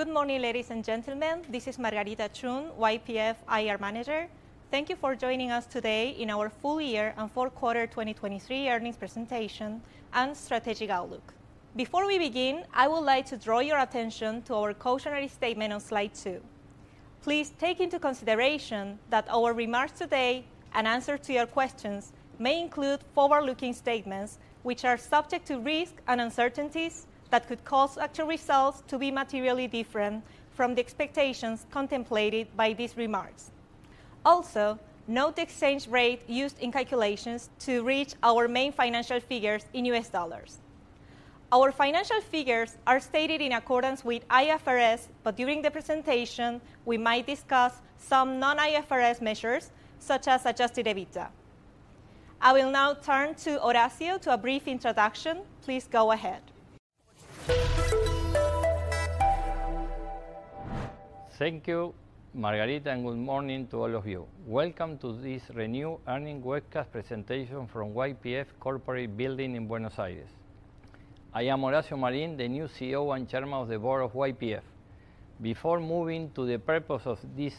Good morning, ladies and gentlemen. This is Margarita Chun, YPF IR manager. Thank you for joining us today in our full year and fourth quarter 2023 earnings presentation and strategic outlook. Before we begin, I would like to draw your attention to our cautionary statement on slide 2. Please take into consideration that our remarks today and answer to your questions may include forward-looking statements, which are subject to risks and uncertainties that could cause actual results to be materially different from the expectations contemplated by these remarks. Also, note the exchange rate used in calculations to reach our main financial figures in US dollars. Our financial figures are stated in accordance with IFRS, but during the presentation, we might discuss some non-IFRS measures, such as adjusted EBITDA. I will now turn to Horacio to a brief introduction. Please go ahead. Thank you, Margarita, and good morning to all of you. Welcome to this renewed earnings webcast presentation from YPF Corporate Building in Buenos Aires. I am Horacio Marín, the new CEO and chairman of the board of YPF. Before moving to the purpose of this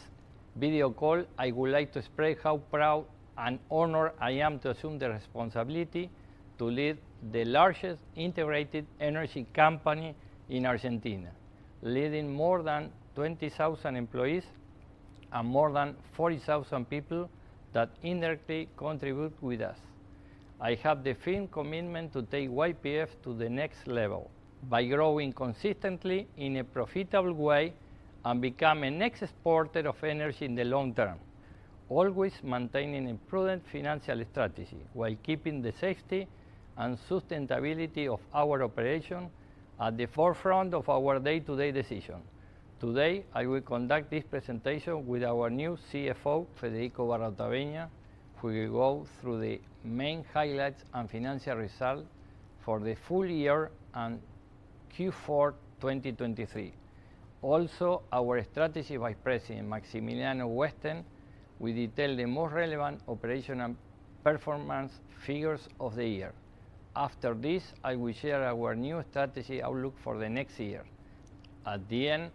video call, I would like to express how proud and honored I am to assume the responsibility to lead the largest integrated energy company in Argentina, leading more than 20,000 employees and more than 40,000 people that indirectly contribute with us. I have the firm commitment to take YPF to the next level by growing consistently in a profitable way and become a net exporter of energy in the long term, always maintaining a prudent financial strategy while keeping the safety and sustainability of our operation at the forefront of our day-to-day decision. Today, I will conduct this presentation with our new CFO, Federico Barroetaveña, who will go through the main highlights and financial results for the full year and Q4 2023. Also, our Strategy Vice President, Maximiliano Westen, will detail the most relevant operational performance figures of the year. After this, I will share our new strategy outlook for the next year. At the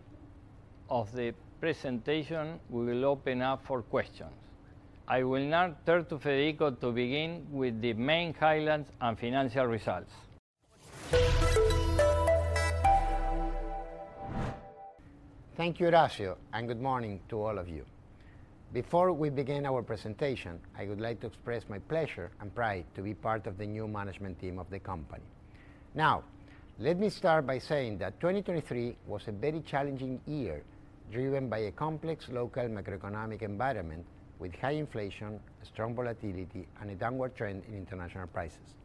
end of the presentation, we will open up for questions. I will now turn to Federico to begin with the main highlights and financial results. Thank you, Horacio, and good morning to all of you. Before we begin our presentation, I would like to express my pleasure and pride to be part of the new management team of the company. Now, let me start by saying that 2023 was a very challenging year, driven by a complex local macroeconomic environment with high inflation, strong volatility, and a downward trend in international prices.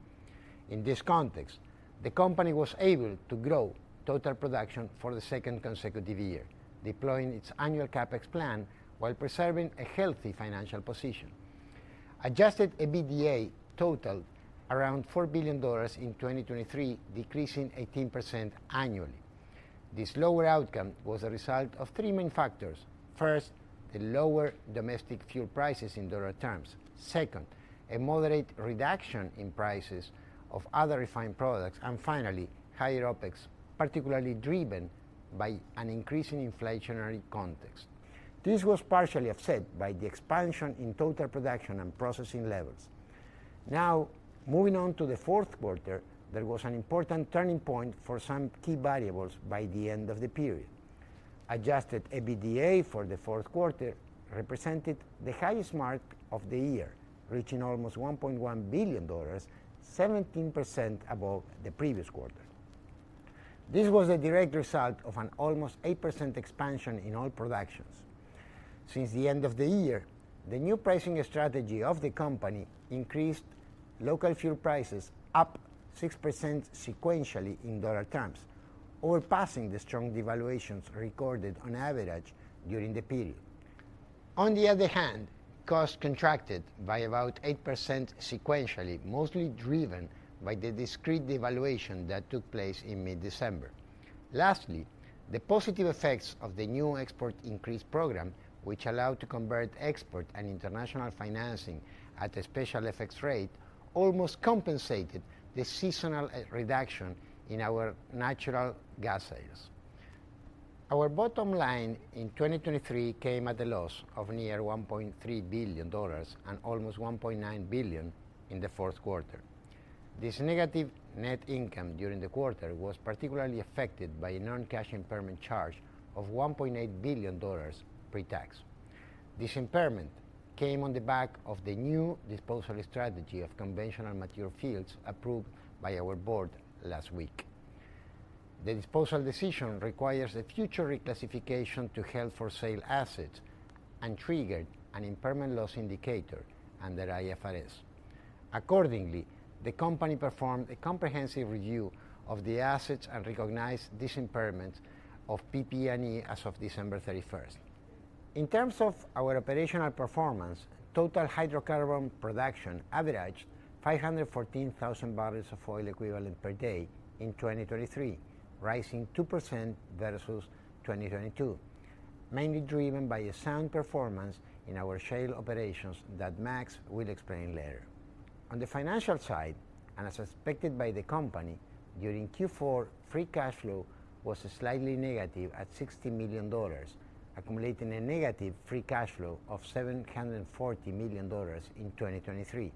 In this context, the company was able to grow total production for the second consecutive year, deploying its annual CapEx plan while preserving a healthy financial position. Adjusted EBITDA totaled around $4 billion in 2023, decreasing 18% annually. This lower outcome was a result of three main factors. First, the lower domestic fuel prices in dollar terms. Second, a moderate reduction in prices of other refined products. And finally, higher OpEx, particularly driven by an increasing inflationary context. This was partially offset by the expansion in total production and processing levels. Now, moving on to the fourth quarter, there was an important turning point for some key variables by the end of the period. Adjusted EBITDA for the fourth quarter represented the highest mark of the year, reaching almost $1.1 billion, 17% above the previous quarter. This was a direct result of an almost 8% expansion in oil production. Since the end of the year, the new pricing strategy of the company increased local fuel prices up 6% sequentially in dollar terms, surpassing the strong devaluations recorded on average during the period. On the other hand, costs contracted by about 8% sequentially, mostly driven by the discrete devaluation that took place in mid-December. Lastly, the positive effects of the new export increase program, which allowed to convert export and international financing at a special FX rate, almost compensated the seasonal reduction in our natural gas sales. Our bottom line in 2023 came at a loss of near $1.3 billion and almost $1.9 billion in the fourth quarter. This negative net income during the quarter was particularly affected by a non-cash impairment charge of $1.8 billion pre-tax. This impairment came on the back of the new disposal strategy of conventional mature fields approved by our board last week. The disposal decision requires a future reclassification to held for sale assets and triggered an impairment loss indicator under IFRS. Accordingly, the company performed a comprehensive review of the assets and recognized this impairment of PP&E as of December thirty-first. In terms of our operational performance, total hydrocarbon production averaged 514,000 barrels of oil equivalent per day in 2023, rising 2% versus 2022, mainly driven by a sound performance in our shale operations that Max will explain later. On the financial side, and as expected by the company, during Q4, free cash flow was slightly negative at $60 million, accumulating a negative free cash flow of $740 million in 2023.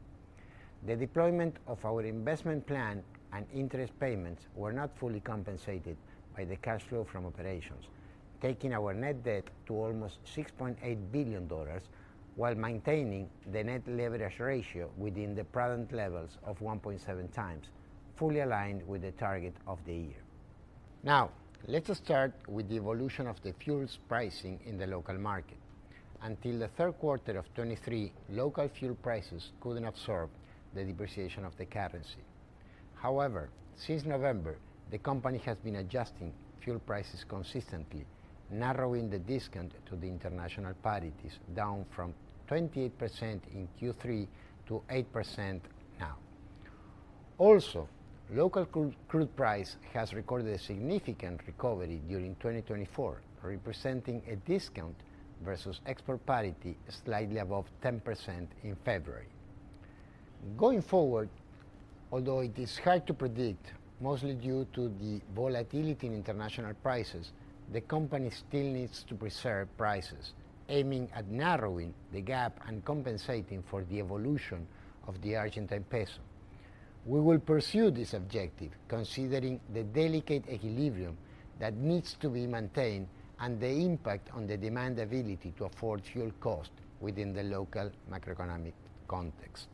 The deployment of our investment plan and interest payments were not fully compensated by the cash flow from operations, taking our net debt to almost $6.8 billion, while maintaining the net leverage ratio within the prevalent levels of 1.7 times, fully aligned with the target of the year. Now, let us start with the evolution of the fuels pricing in the local market. Until the third quarter of 2023, local fuel prices couldn't absorb the depreciation of the currency. However, since November, the company has been adjusting fuel prices consistently, narrowing the discount to the international parities, down from 28% in Q3 to 8% now. Also, local crude price has recorded a significant recovery during 2024, representing a discount versus export parity slightly above 10% in February. Going forward, although it is hard to predict, mostly due to the volatility in international prices, the company still needs to preserve prices, aiming at narrowing the gap and compensating for the evolution of the Argentine peso. We will pursue this objective, considering the delicate equilibrium that needs to be maintained and the impact on the demand ability to afford fuel cost within the local macroeconomic context.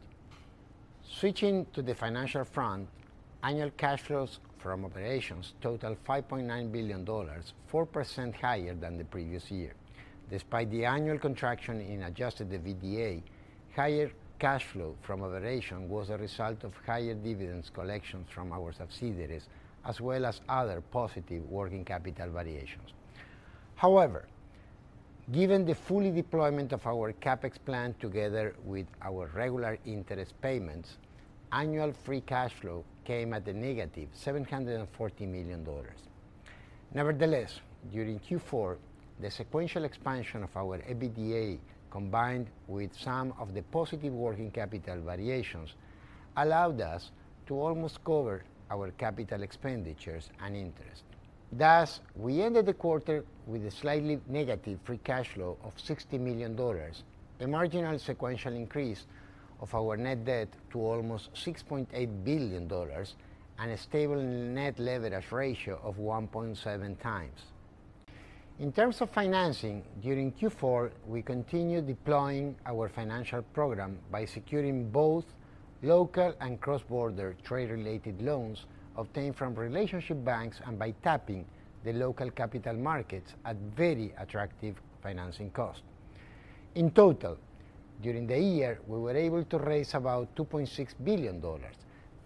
Switching to the financial front, annual cash flows from operations total $5.9 billion, 4% higher than the previous year. Despite the annual contraction in Adjusted EBITDA, higher cash flow from operations was a result of higher dividend collections from our subsidiaries, as well as other positive working capital variations. However, given the full deployment of our CapEx plan together with our regular interest payments, annual free cash flow came at -$740 million. Nevertheless, during Q4, the sequential expansion of our EBITDA, combined with some of the positive working capital variations, allowed us to almost cover our capital expenditures and interest. Thus, we ended the quarter with a slightly negative free cash flow of $60 million, a marginal sequential increase of our net debt to almost $6.8 billion, and a stable net leverage ratio of 1.7 times. In terms of financing, during Q4, we continued deploying our financial program by securing both local and cross-border trade-related loans obtained from relationship banks and by tapping the local capital markets at very attractive financing cost. In total, during the year, we were able to raise about $2.6 billion,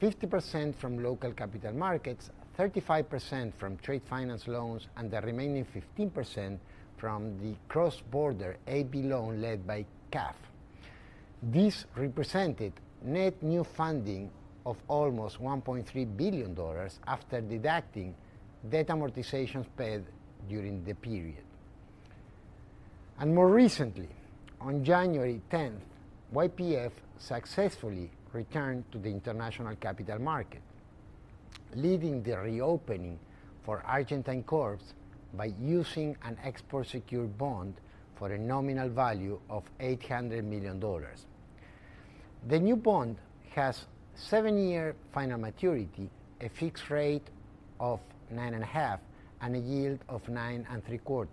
50% from local capital markets, 35% from trade finance loans, and the remaining 15% from the cross-border A/B loan led by CAF. This represented net new funding of almost $1.3 billion after deducting debt amortizations paid during the period. More recently, on January 10, YPF successfully returned to the international capital market, leading the reopening for Argentine corps by using an export-secured bond for a nominal value of $800 million. The new bond has 7-year final maturity, a fixed rate of 9.5%, and a yield of 9.75%.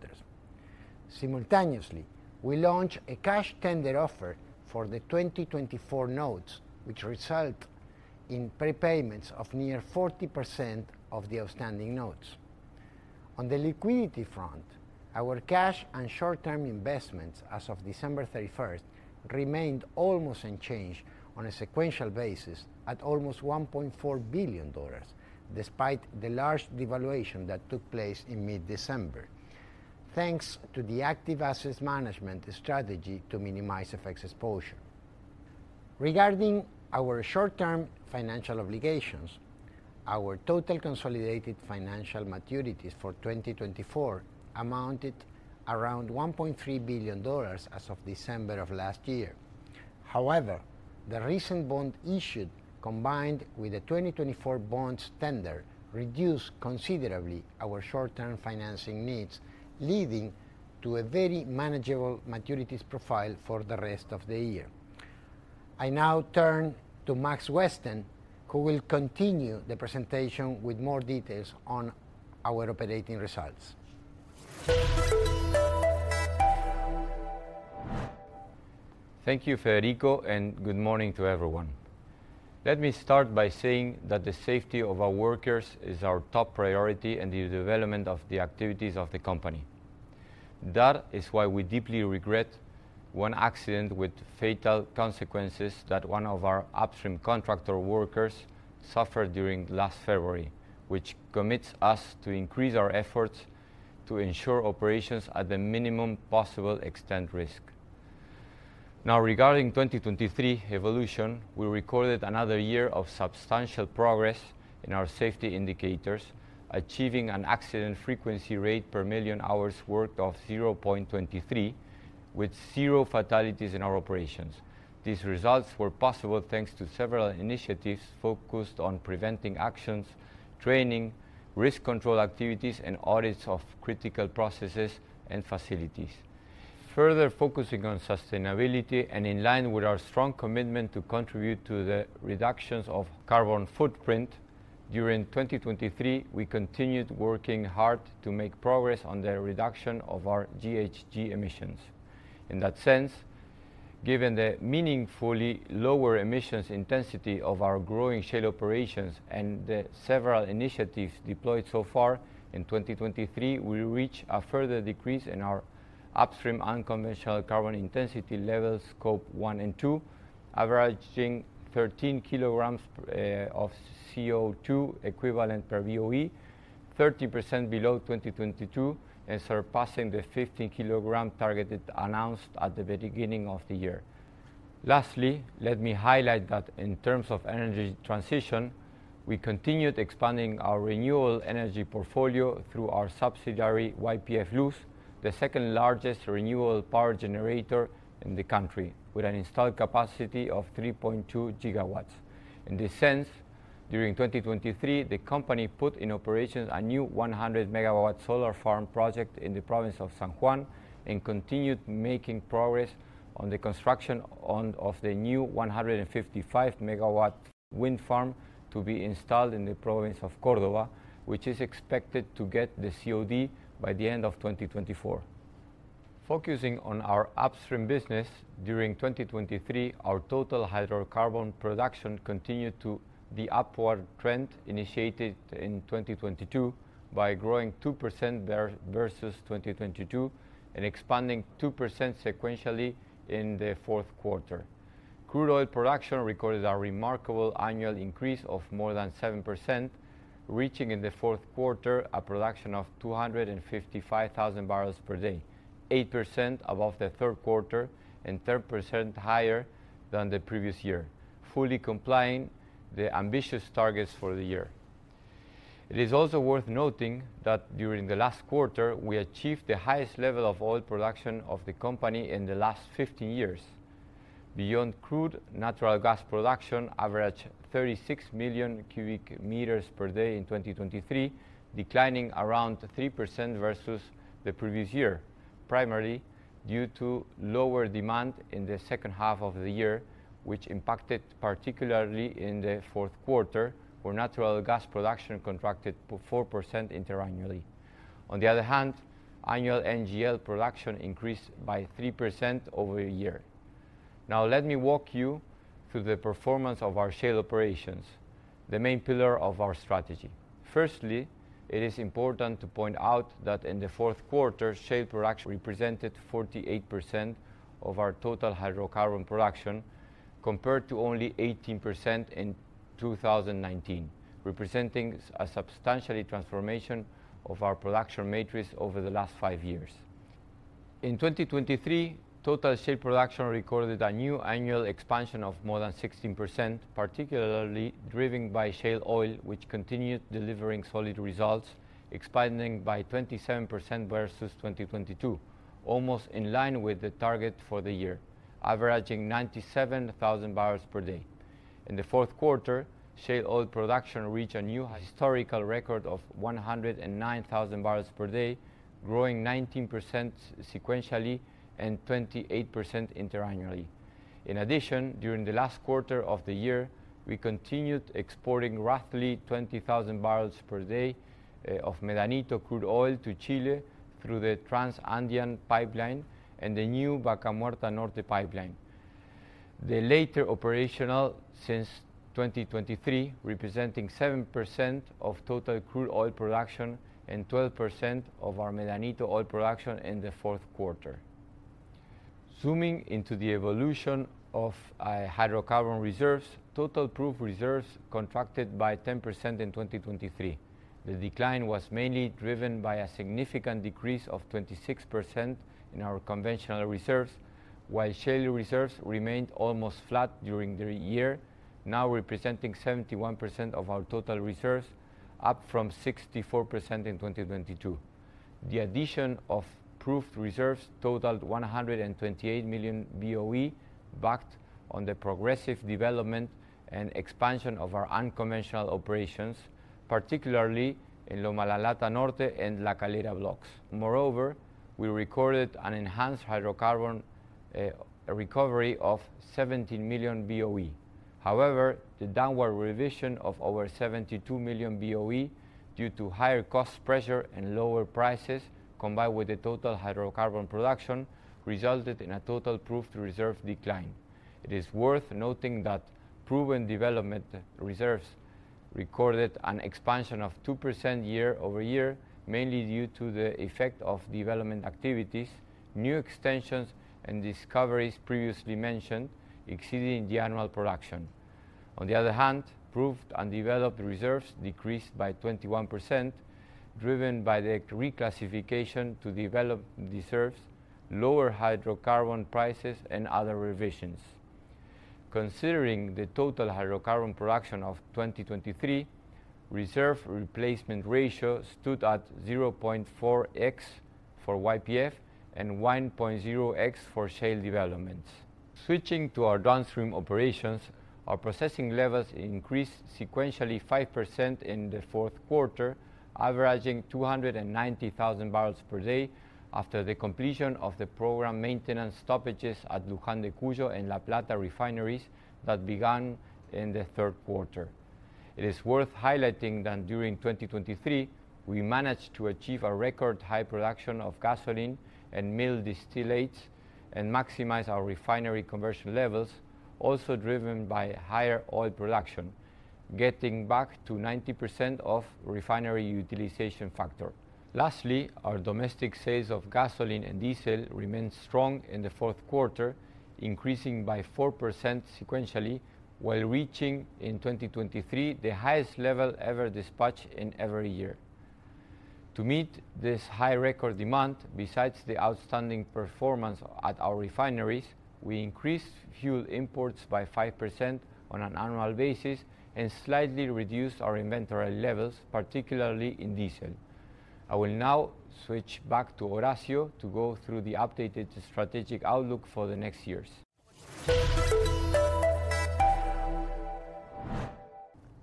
Simultaneously, we launched a cash tender offer for the 2024 notes, which result in prepayments of near 40% of the outstanding notes. On the liquidity front, our cash and short-term investments as of December 31 remained almost unchanged on a sequential basis at almost $1.4 billion, despite the large devaluation that took place in mid-December, thanks to the active asset management strategy to minimize FX exposure. Regarding our short-term financial obligations, our total consolidated financial maturities for 2024 amounted around $1.3 billion as of December of last year. However, the recent bond issued, combined with the 2024 bonds tender, reduced considerably our short-term financing needs, leading to a very manageable maturities profile for the rest of the year. I now turn to Max Westen, who will continue the presentation with more details on our operating results. Thank you, Federico, and good morning to everyone. Let me start by saying that the safety of our workers is our top priority in the development of the activities of the company. That is why we deeply regret one accident with fatal consequences that one of our Upstream contractor workers suffered during last February, which commits us to increase our efforts to ensure operations at the minimum possible extent risk. Now, regarding 2023 evolution, we recorded another year of substantial progress in our safety indicators, achieving an accident frequency rate per million hours worked of 0.23, with 0 fatalities in our operations. These results were possible thanks to several initiatives focused on preventing actions, training, risk control activities, and audits of critical processes and facilities. Further focusing on sustainability and in line with our strong commitment to contribute to the reductions of carbon footprint, during 2023, we continued working hard to make progress on the reduction of our GHG emissions. In that sense, given the meaningfully lower emissions intensity of our growing shale operations and the several initiatives deployed so far, in 2023, we reached a further decrease in our upstream unconventional carbon intensity level, Scope 1 and 2, averaging 13 kilograms of CO2 equivalent per BOE, 30% below 2022, and surpassing the 15-kilogram target announced at the very beginning of the year. Lastly, let me highlight that in terms of energy transition, we continued expanding our renewable energy portfolio through our subsidiary, YPF Luz, the second-largest renewable power generator in the country, with an installed capacity of 3.2 GW. In this sense, during 2023, the company put in operation a new 100 MW solar farm project in the province of San Juan and continued making progress on the construction of the new 155 MW wind farm to be installed in the province of Córdoba, which is expected to get the COD by the end of 2024. Focusing on our upstream business, during 2023, our total hydrocarbon production continued the upward trend initiated in 2022 by growing 2% versus 2022 and expanding 2% sequentially in the fourth quarter. Crude oil production recorded a remarkable annual increase of more than 7%, reaching in the fourth quarter a production of 255,000 barrels per day, 8% above the third quarter and 10% higher than the previous year, fully complying the ambitious targets for the year. It is also worth noting that during the last quarter, we achieved the highest level of oil production of the company in the last 50 years. Beyond crude, natural gas production averaged 36 million cubic meters per day in 2023, declining around 3% versus the previous year, primarily due to lower demand in the second half of the year, which impacted particularly in the fourth quarter, where natural gas production contracted 4% interannually. On the other hand, annual NGL production increased by 3% over a year. Now, let me walk you through the performance of our shale operations, the main pillar of our strategy. Firstly, it is important to point out that in the fourth quarter, shale production represented 48% of our total hydrocarbon production, compared to only 18% in 2019, representing a substantial transformation of our production matrix over the last five years. In 2023, total shale production recorded a new annual expansion of more than 16%, particularly driven by shale oil, which continued delivering solid results, expanding by 27% versus 2022, almost in line with the target for the year, averaging 97,000 barrels per day. In the fourth quarter, shale oil production reached a new historical record of 109,000 barrels per day, growing 19% sequentially and 28% interannually. In addition, during the last quarter of the year, we continued exporting roughly 20,000 barrels per day of Medanito crude oil to Chile through the Trans-Andean pipeline and the new Vaca Muerta Norte pipeline. The latter operational since 2023, representing 7% of total crude oil production and 12% of our Medanito oil production in the fourth quarter. Zooming into the evolution of hydrocarbon reserves, total proven reserves contracted by 10% in 2023. The decline was mainly driven by a significant decrease of 26% in our conventional reserves, while shale reserves remained almost flat during the year, now representing 71% of our total reserves, up from 64% in 2022. The addition of proved reserves totaled 128 million BOE, backed on the progressive development and expansion of our unconventional operations, particularly in Loma La Lata Norte and La Calera blocks. Moreover, we recorded an enhanced hydrocarbon recovery of 17 million BOE. However, the downward revision of over 72 million BOE due to higher cost pressure and lower prices, combined with the total hydrocarbon production, resulted in a total proved reserve decline. It is worth noting that proven development reserves recorded an expansion of 2% year-over-year, mainly due to the effect of development activities, new extensions, and discoveries previously mentioned, exceeding the annual production. On the other hand, proved and developed reserves decreased by 21%, driven by the reclassification to develop reserves, lower hydrocarbon prices, and other revisions. Considering the total hydrocarbon production of 2023, reserve replacement ratio stood at 0.4x for YPF and 1.0x for shale developments. Switching to our downstream operations, our processing levels increased sequentially 5% in the fourth quarter, averaging 290,000 barrels per day after the completion of the planned maintenance stoppages at Luján de Cuyo and La Plata refineries that began in the third quarter. It is worth highlighting that during 2023, we managed to achieve a record high production of gasoline and middle distillates, and maximize our refinery conversion levels, also driven by higher oil production, getting back to 90% of refinery utilization factor. Lastly, our domestic sales of gasoline and diesel remained strong in the fourth quarter, increasing by 4% sequentially, while reaching, in 2023, the highest level ever dispatched in every year. To meet this high record demand, besides the outstanding performance at our refineries, we increased fuel imports by 5% on an annual basis and slightly reduced our inventory levels, particularly in diesel. I will now switch back to Horacio to go through the updated strategic outlook for the next years.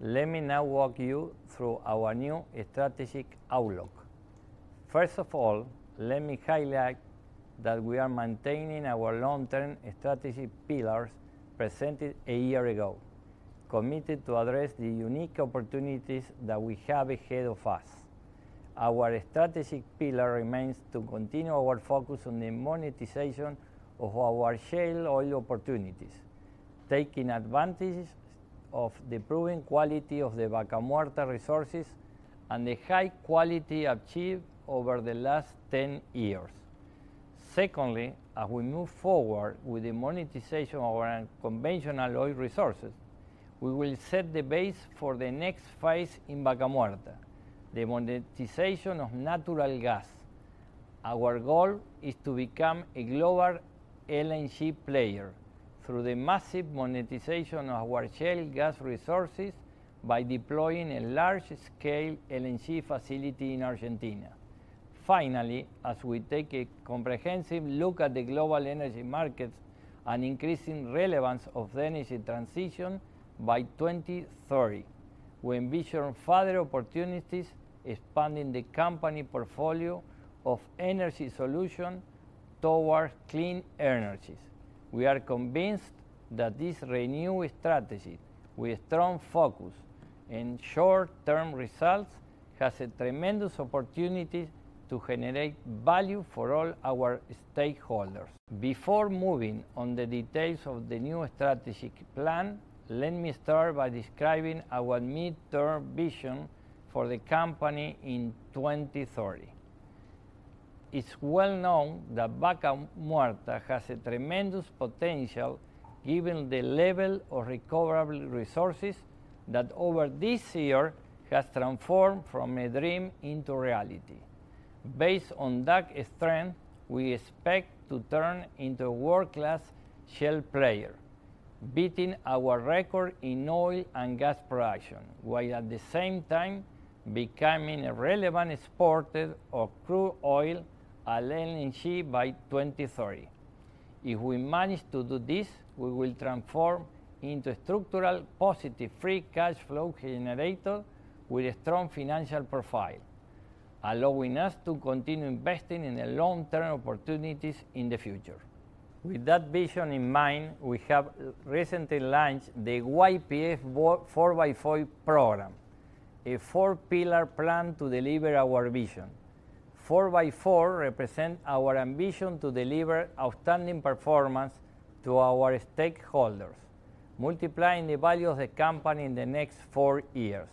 Let me now walk you through our new strategic outlook. First of all, let me highlight that we are maintaining our long-term strategic pillars presented a year ago, committed to address the unique opportunities that we have ahead of us. Our strategic pillar remains to continue our focus on the monetization of our shale oil opportunities, taking advantages of the proven quality of the Vaca Muerta resources and the high quality achieved over the last 10 years. Secondly, as we move forward with the monetization of our conventional oil resources, we will set the base for the next phase in Vaca Muerta, the monetization of natural gas. Our goal is to become a global LNG player through the massive monetization of our shale gas resources by deploying a large-scale LNG facility in Argentina. Finally, as we take a comprehensive look at the global energy markets and increasing relevance of the energy transition by 2030, we envision further opportunities expanding the company portfolio of energy solution towards clean energies. We are convinced that this renewed strategy, with a strong focus in short-term results, has a tremendous opportunity to generate value for all our stakeholders. Before moving on the details of the new strategic plan, let me start by describing our midterm vision for the company in 2030. It's well known that Vaca Muerta has a tremendous potential, given the level of recoverable resources, that over this year has transformed from a dream into reality. Based on that strength, we expect to turn into a world-class shale player, beating our record in oil and gas production, while at the same time becoming a relevant exporter of crude oil and LNG by 2030. If we manage to do this, we will transform into a structural positive free cash flow generator with a strong financial profile, allowing us to continue investing in the long-term opportunities in the future. With that vision in mind, we have recently launched the YPF 4x4 program, a four-pillar plan to deliver our vision. 4x4 represent our ambition to deliver outstanding performance to our stakeholders, multiplying the value of the company in the next four years.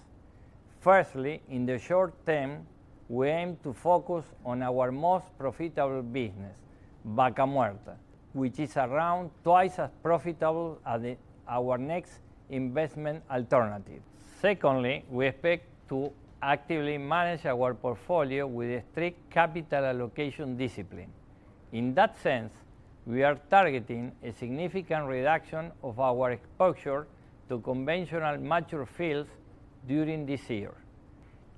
Firstly, in the short term, we aim to focus on our most profitable business, Vaca Muerta, which is around twice as profitable as our next investment alternative. Secondly, we expect to actively manage our portfolio with a strict capital allocation discipline. In that sense, we are targeting a significant reduction of our exposure to conventional mature fields during this year.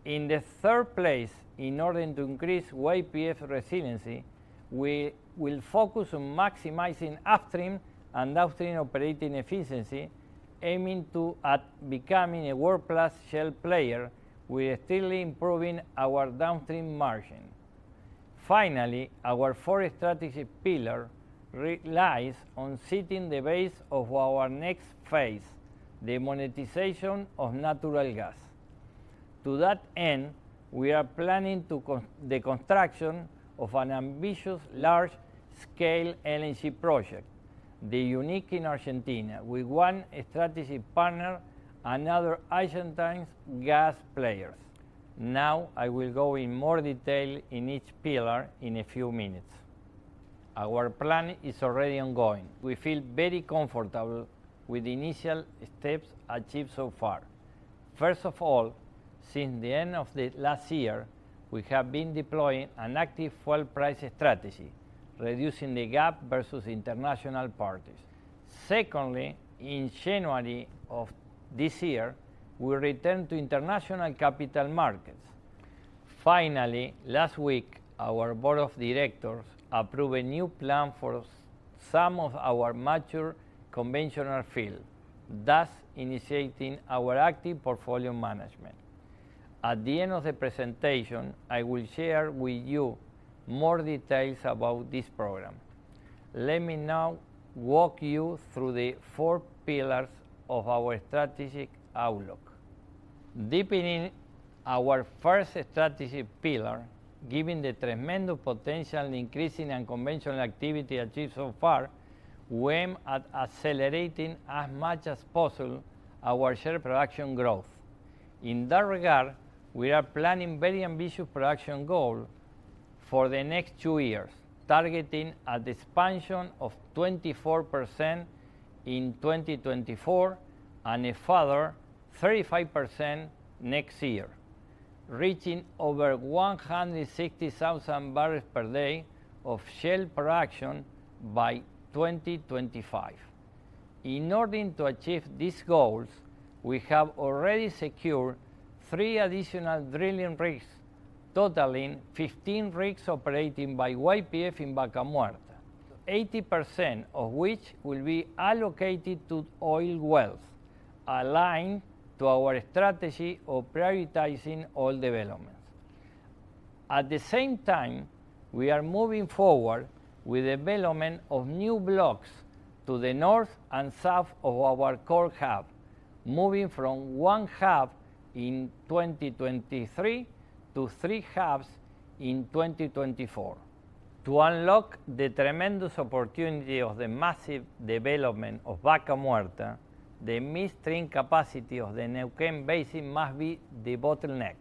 In the third place, in order to increase YPF resiliency, we will focus on maximizing upstream and downstream operating efficiency, aiming at becoming a world-class shale player, while still improving our downstream margin. Finally, our fourth strategic pillar relies on setting the base of our next phase, the monetization of natural gas. To that end, we are planning the construction of an ambitious large-scale LNG project, the unique in Argentina, with one strategic partner, another Argentine gas players. Now, I will go into more detail in each pillar in a few minutes.... Our plan is already ongoing. We feel very comfortable with the initial steps achieved so far. First of all, since the end of the last year, we have been deploying an active oil price strategy, reducing the gap versus international prices. Secondly, in January of this year, we returned to international capital markets. Finally, last week, our board of directors approved a new plan for some of our mature conventional fields, thus initiating our active portfolio management. At the end of the presentation, I will share with you more details about this program. Let me now walk you through the four pillars of our strategic outlook. Deepening our first strategic pillar, given the tremendous potential increase in unconventional activity achieved so far, we aim at accelerating as much as possible our shale production growth. In that regard, we are planning very ambitious production goal for the next two years, targeting an expansion of 24% in 2024 and a further 35% next year, reaching over 160,000 barrels per day of shale production by 2025. In order to achieve these goals, we have already secured 3 additional drilling rigs, totaling 15 rigs operating by YPF in Vaca Muerta, 80% of which will be allocated to oil wells, aligned to our strategy of prioritizing oil development. At the same time, we are moving forward with development of new blocks to the north and south of our core hub, moving from one hub in 2023 to 3 hubs in 2024. To unlock the tremendous opportunity of the massive development of Vaca Muerta, the midstream capacity of the Neuquén Basin must be the bottleneck.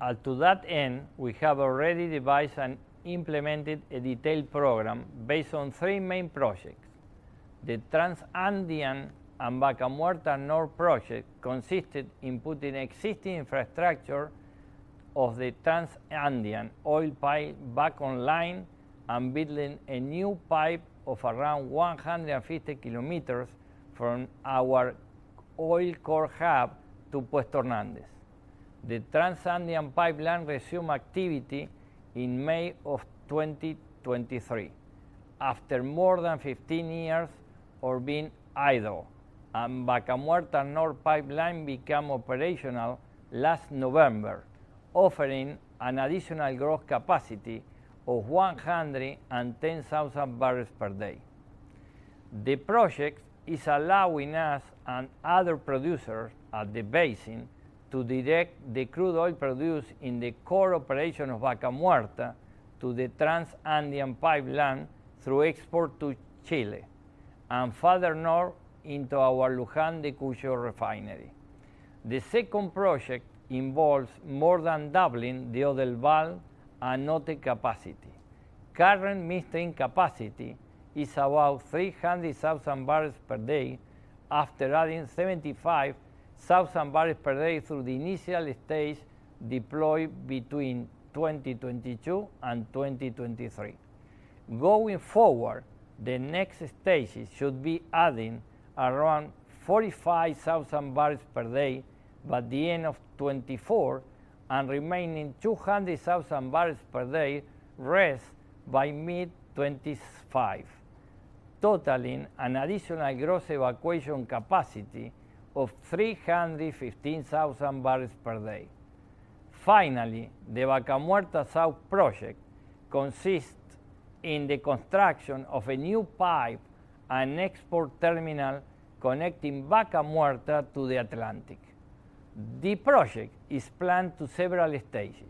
And to that end, we have already devised and implemented a detailed program based on 3 main projects. The Trans-Andean and Vaca Muerta Norte project consisted in putting existing infrastructure of the Trans-Andean oil pipe back online and building a new pipe of around 150 kilometers from our oil core hub to Puerto Hernández. The Trans-Andean pipeline resumed activity in May 2023, after more than 15 years of being idle, and Vaca Muerta Norte pipeline became operational last November, offering an additional gross capacity of 110,000 barrels per day. The project is allowing us and other producers at the basin to direct the crude oil produced in the core operation of Vaca Muerta to the Trans-Andean pipeline through export to Chile, and further north into our Luján de Cuyo refinery. The second project involves more than doubling Oldelval transport capacity. Current midstream capacity is about 300,000 barrels per day after adding 75,000 barrels per day through the initial stage deployed between 2022 and 2023. Going forward, the next stages should be adding around 45,000 barrels per day by the end of 2024 and remaining 200,000 barrels per day rest by mid 2025, totaling an additional gross evacuation capacity of 315,000 barrels per day. Finally, the Vaca Muerta South project consists in the construction of a new pipe and export terminal connecting Vaca Muerta to the Atlantic. The project is planned to several stages.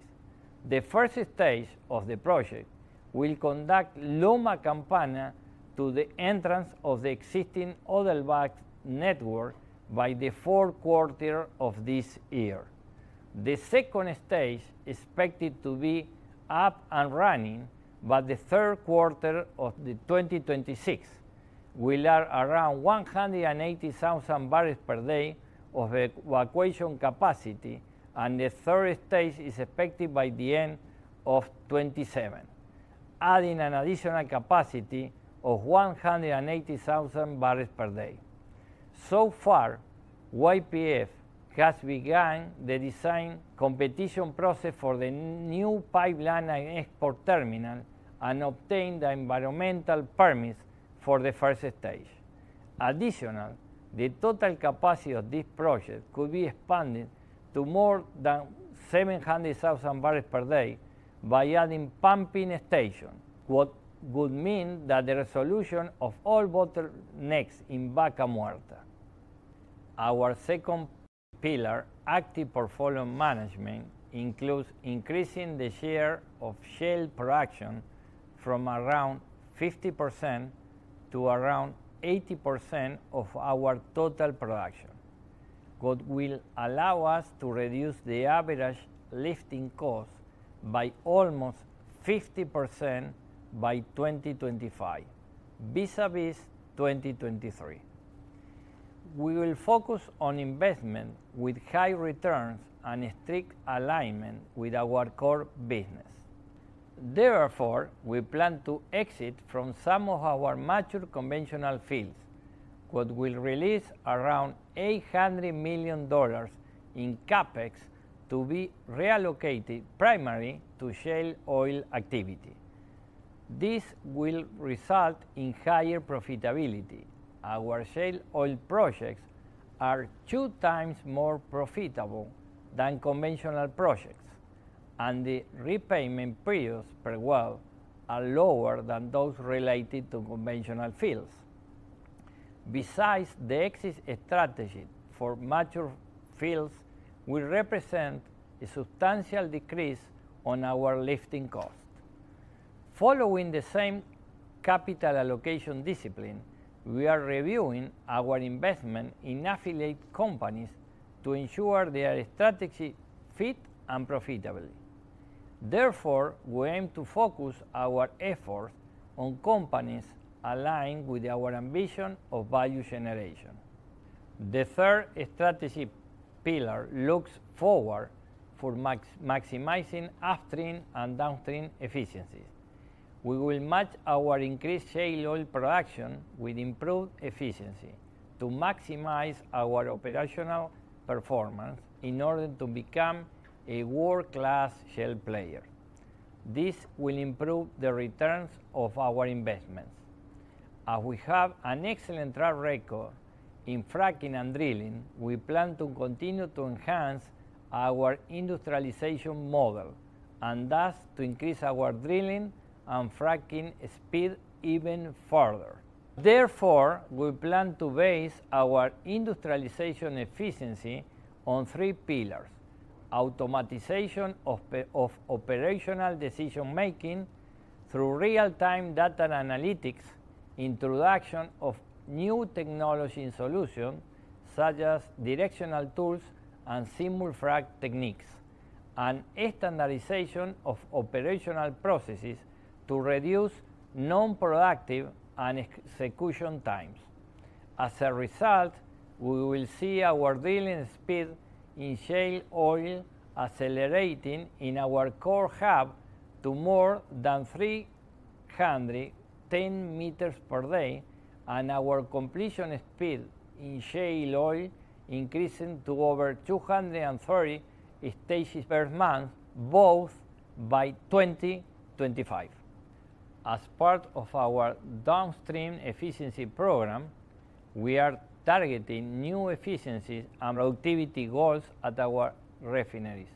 The first stage of the project will conduct Loma Campana to the entrance of the existing Oldelval network by the fourth quarter of this year. The second stage, expected to be up and running by the third quarter of 2026, will add around 180,000 barrels per day of evacuation capacity, and the third stage is expected by the end of 2027, adding an additional capacity of 180,000 barrels per day. So far, YPF has begun the design competition process for the new pipeline and export terminal and obtained the environmental permits for the first stage. Additionally, the total capacity of this project could be expanded to more than 700,000 barrels per day by adding pumping station, what would mean that the resolution of all bottlenecks in Vaca Muerta. Our second pillar, active portfolio management, includes increasing the share of shale production from around 50% to around 80% of our total production.... what will allow us to reduce the average lifting cost by almost 50% by 2025, vis-à-vis 2023. We will focus on investment with high returns and strict alignment with our core business. Therefore, we plan to exit from some of our mature conventional fields, what will release around $800 million in CapEx to be reallocated primarily to shale oil activity. This will result in higher profitability. Our shale oil projects are 2 times more profitable than conventional projects, and the repayment periods per well are lower than those related to conventional fields. Besides, the exit strategy for mature fields will represent a substantial decrease on our lifting cost. Following the same capital allocation discipline, we are reviewing our investment in affiliate companies to ensure they are strategy fit and profitable. Therefore, we aim to focus our efforts on companies aligned with our ambition of value generation. The third strategy pillar looks forward for maximizing upstream and downstream efficiencies. We will match our increased shale oil production with improved efficiency to maximize our operational performance in order to become a world-class shale player. This will improve the returns of our investments. As we have an excellent track record in fracking and drilling, we plan to continue to enhance our industrialization model, and thus, to increase our drilling and fracking speed even further. Therefore, we plan to base our industrialization efficiency on three pillars: automation of operational decision-making through real-time data analytics, introduction of new technology and solution, such as directional tools and simple frack techniques, and standardization of operational processes to reduce non-productive and execution times. As a result, we will see our drilling speed in shale oil accelerating in our core hub to more than 310 meters per day, and our completion speed in shale oil increasing to over 230 stages per month, both by 2025. As part of our downstream efficiency program, we are targeting new efficiencies and productivity goals at our refineries.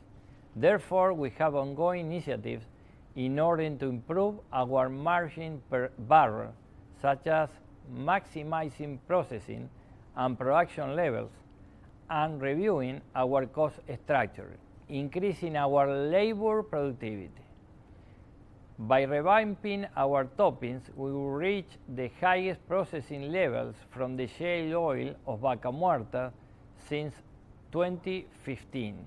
Therefore, we have ongoing initiatives in order to improve our margin per barrel, such as maximizing processing and production levels and reviewing our cost structure, increasing our labor productivity. By revamping our toppings, we will reach the highest processing levels from the shale oil of Vaca Muerta since 2015,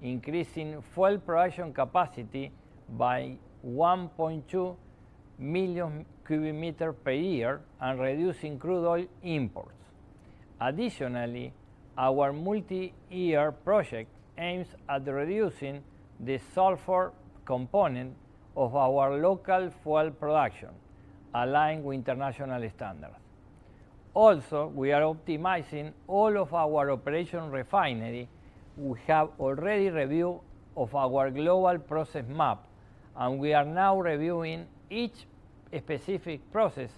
increasing fuel production capacity by 1.2 million cubic meter per year and reducing crude oil imports. Additionally, our multi-year project aims at reducing the sulfur component of our local fuel production, aligned with international standards. Also, we are optimizing all of our operations refinery. We have already reviewed our global process map, and we are now reviewing each specific process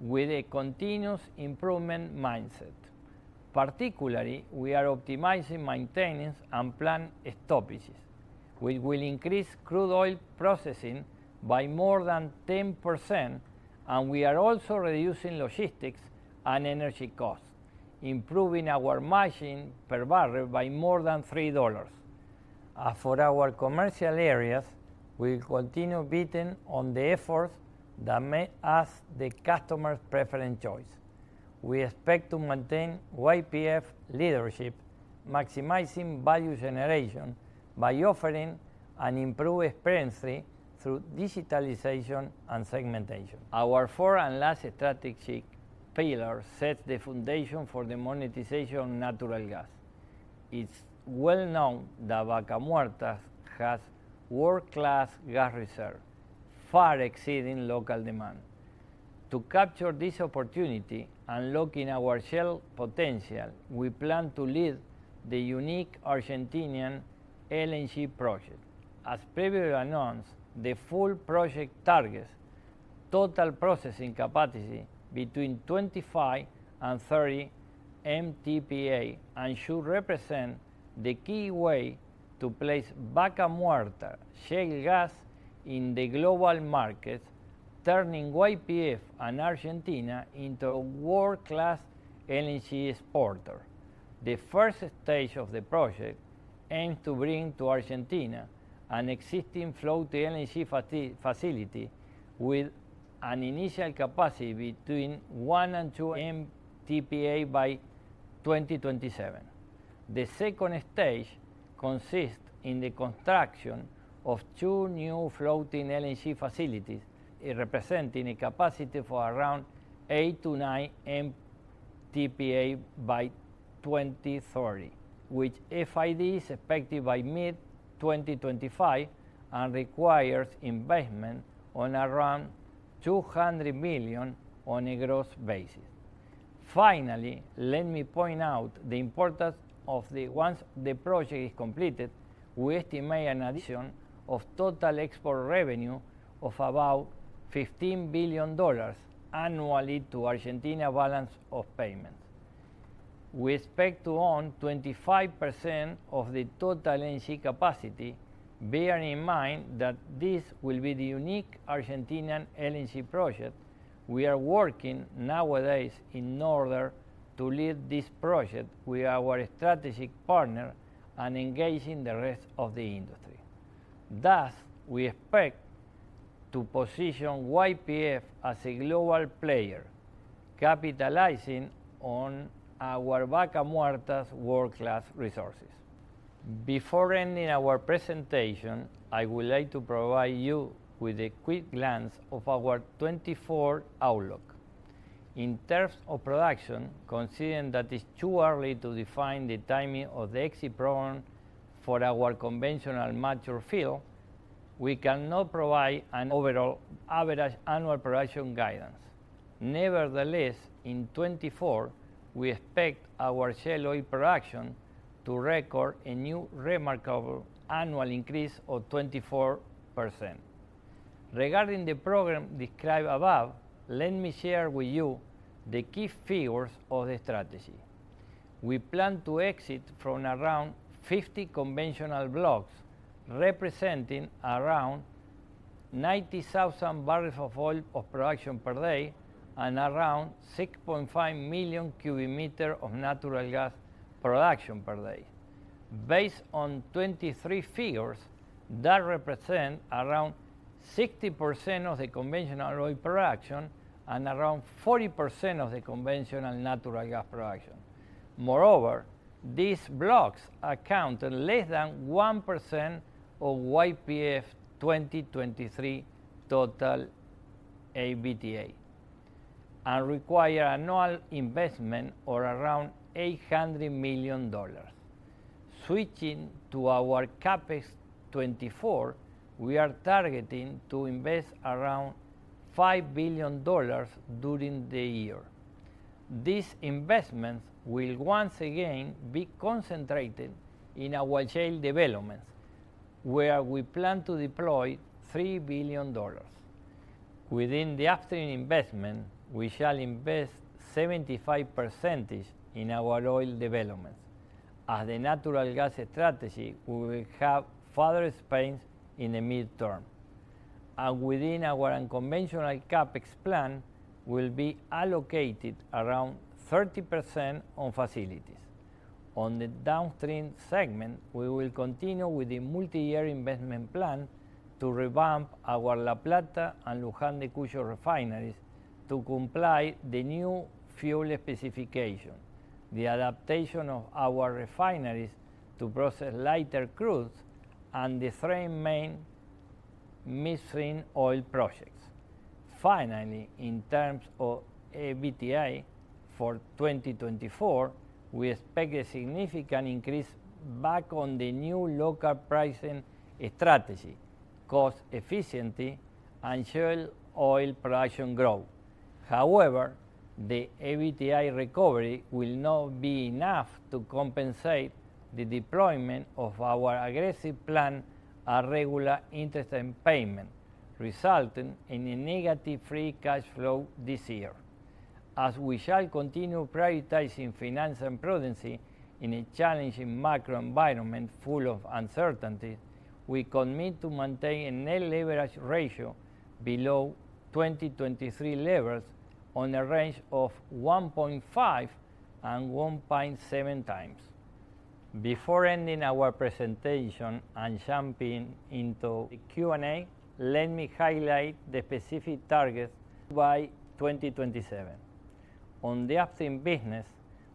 with a continuous improvement mindset. Particularly, we are optimizing maintenance and planned stoppages, which will increase crude oil processing by more than 10%, and we are also reducing logistics and energy costs, improving our margin per barrel by more than $3. As for our commercial areas, we continue betting on the efforts that make us the customer's preferred choice. We expect to maintain YPF leadership, maximizing value generation by offering an improved experience through digitalization and segmentation. Our fourth and last strategic pillar sets the foundation for the monetization of natural gas. It's well known that Vaca Muerta has world-class gas reserve, far exceeding local demand. To capture this opportunity, unlocking our shale potential, we plan to lead the unique Argentinian LNG project. As previously announced, the full project targets total processing capacity between 25 and 30 MTPA, and should represent the key way to place Vaca Muerta shale gas in the global market, turning YPF and Argentina into a world-class LNG exporter. The first stage of the project aims to bring to Argentina an existing floating LNG facility with an initial capacity between 1 and 2 MTPA by 2027. The second stage consists in the construction of two new floating LNG facilities, representing a capacity for around 8 to 9 MTPA by 2030, which FID is expected by mid-2025 and requires investment on around $200 million on a gross basis. Finally, let me point out the importance of the, once the project is completed, we estimate an addition of total export revenue of about $15 billion annually to Argentina's balance of payments. We expect to own 25% of the total LNG capacity, bearing in mind that this will be the unique Argentinian LNG project. We are working nowadays in order to lead this project with our strategic partner and engaging the rest of the industry. Thus, we expect to position YPF as a global player, capitalizing on our Vaca Muerta's world-class resources. Before ending our presentation, I would like to provide you with a quick glance of our 2024 outlook. In terms of production, considering that it's too early to define the timing of the exit program for our conventional mature field, we cannot provide an overall average annual production guidance. Nevertheless, in 2024, we expect our shale oil production to record a new remarkable annual increase of 24%. Regarding the program described above, let me share with you the key figures of the strategy. We plan to exit from around 50 conventional blocks, representing around 90,000 barrels of oil of production per day and around 6.5 million cubic meter of natural gas production per day. Based on 2023 figures, that represent around 60% of the conventional oil production and around 40% of the conventional natural gas production. Moreover, these blocks account less than 1% of YPF 2023 total EBITDA, and require annual investment of around $800 million. Switching to our CapEx 2024, we are targeting to invest around $5 billion during the year. These investments will once again be concentrated in our shale developments, where we plan to deploy $3 billion. Within the upstream investment, we shall invest 75% in our oil developments. As a natural gas strategy, we will have further expense in the midterm, and within our unconventional CapEx plan will be allocated around 30% on facilities. On the downstream segment, we will continue with the multi-year investment plan to revamp our La Plata and Luján de Cuyo refineries to comply the new fuel specification, the adaptation of our refineries to process lighter crudes, and the three main midstream oil projects. Finally, in terms of EBITDA for 2024, we expect a significant increase back on the new local pricing strategy, cost efficiency, and shale oil production growth. However, the EBITDA recovery will not be enough to compensate the deployment of our aggressive plan and regular interest and payment, resulting in a negative free cash flow this year. As we shall continue prioritizing finance and prudence in a challenging macro environment full of uncertainty, we commit to maintain a net leverage ratio below 2023 levels in a range of 1.5-1.7 times. Before ending our presentation and jumping into the Q&A, let me highlight the specific targets by 2027. On the upstream business,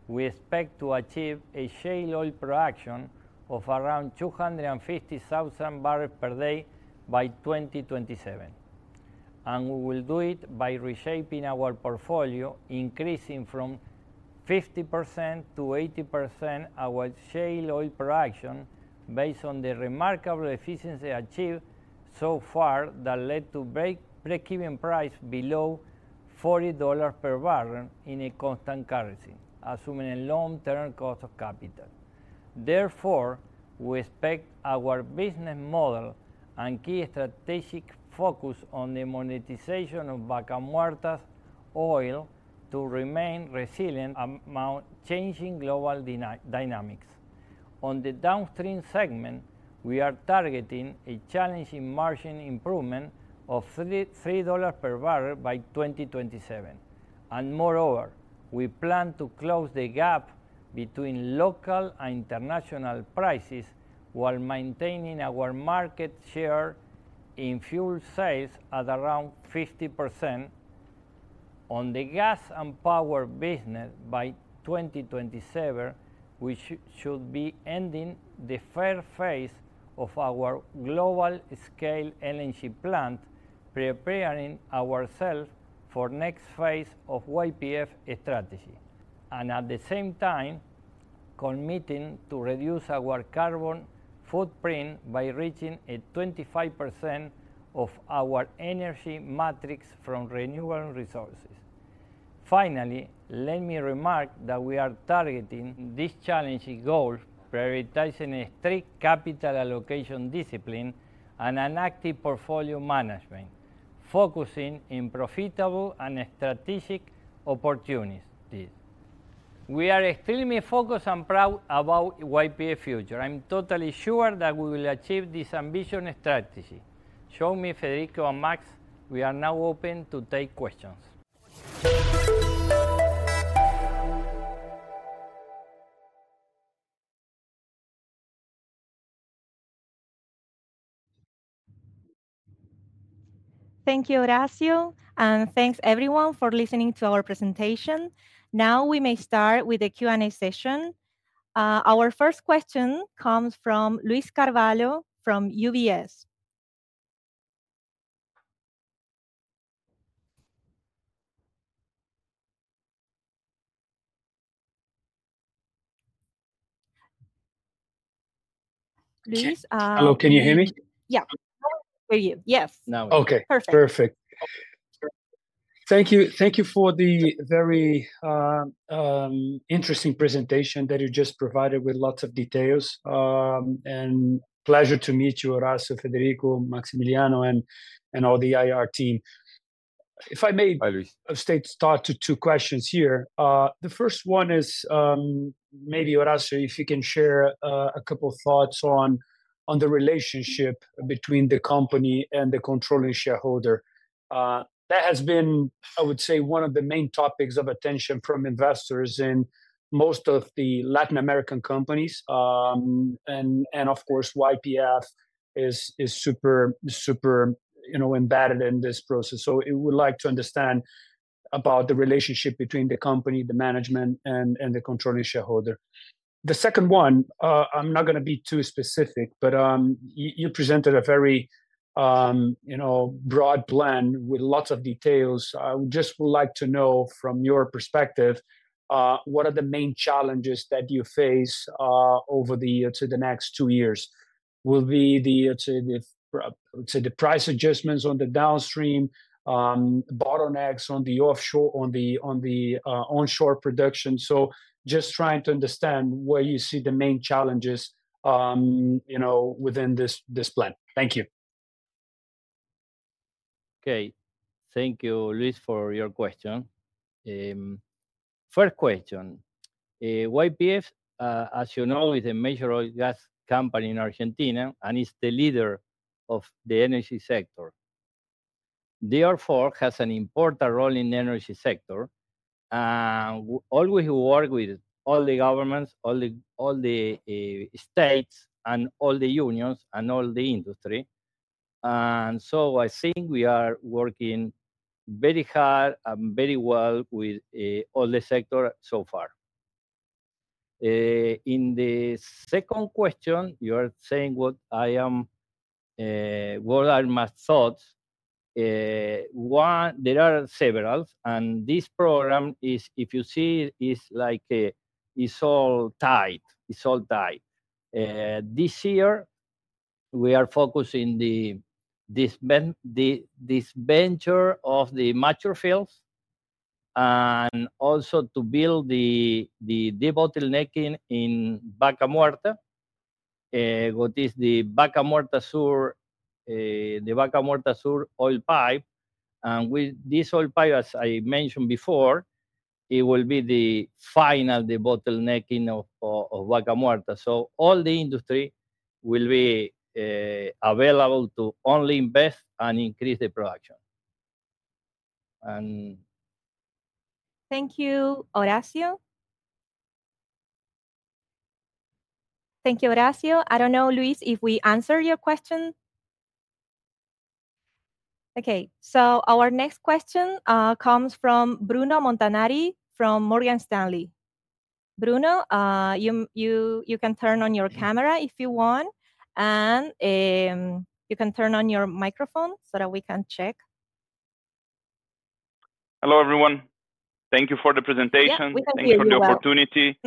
we expect to achieve a shale oil production of around 250,000 barrels per day by 2027, and we will do it by reshaping our portfolio, increasing from 50% to 80% our shale oil production based on the remarkable efficiency achieved so far that led to breakeven price below $40 per barrel in a constant currency, assuming a long-term cost of capital. Therefore, we expect our business model and key strategic focus on the monetization of Vaca Muerta's oil to remain resilient among changing global dynamics. On the downstream segment, we are targeting a challenging margin improvement of $3 per barrel by 2027. Moreover, we plan to close the gap between local and international prices, while maintaining our market share in fuel sales at around 50%. On the gas and power business, by 2027, we should be ending the first phase of our global scale LNG plant, preparing ourselves for next phase of YPF strategy. And at the same time, committing to reduce our carbon footprint by reaching a 25% of our energy metrics from renewable resources. Finally, let me remark that we are targeting this challenging goal, prioritizing a strict capital allocation discipline, and an active portfolio management, focusing in profitable and strategic opportunities. We are extremely focused and proud about YPF future. I'm totally sure that we will achieve this ambitious strategy. Join me, Federico and Max, we are now open to take questions. Thank you, Horacio, and thanks, everyone, for listening to our presentation. Now, we may start with the Q&A session. Our first question comes from Luiz Carvalho from UBS. Luiz? Hello, can you hear me? Yeah. We hear you. Yes. Now. Perfect. Okay, perfect. Thank you. Thank you for the very interesting presentation that you just provided with lots of details. Pleasure to meet you, Horacio, Federico, Maximiliano, and all the IR team. If I may- Hi, Luiz... straight start to two questions here. The first one is, maybe, Horacio, if you can share a couple of thoughts on the relationship between the company and the controlling shareholder. That has been, I would say, one of the main topics of attention from investors in most of the Latin American companies. And of course, YPF is super, super, you know, embedded in this process. So we would like to understand about the relationship between the company, the management, and the controlling shareholder. The second one, I'm not gonna be too specific, but you presented a very, you know, broad plan with lots of details. I would just would like to know, from your perspective, what are the main challenges that you face over the year to the next two years? To the price adjustments on the downstream bottlenecks on the offshore, on the onshore production. So just trying to understand where you see the main challenges, you know, within this plan? Thank you. Okay. Thank you, Luiz, for your question. First question: YPF, as you know, is a major oil gas company in Argentina, and is the leader of the energy sector. Therefore, has an important role in the energy sector, we always work with all the governments, all the states, and all the unions, and all the industry. And so I think we are working very hard and very well with all the sector so far. In the second question, you are saying what I am, what are my thoughts? One... There are several, and this program is, if you see, is like it's all tied. It's all tied. This year, we are focusing on this venture of the mature fields, and also to build the bottlenecking in Vaca Muerta, what is the Vaca Muerta Sur, the Vaca Muerta Sur oil pipe. With this oil pipe, as I mentioned before, it will be the final de-bottlenecking of Vaca Muerta. So all the industry will be available to only invest and increase the production. And Thank you, Horacio. Thank you, Horacio. I don't know, Luis, if we answered your question? Okay, so our next question comes from Bruno Montanari, from Morgan Stanley. Bruno, you can turn on your camera if you want, and you can turn on your microphone so that we can check. Hello, everyone. Thank you for the presentation. Yeah, we can hear you well. Thank you for the opportunity.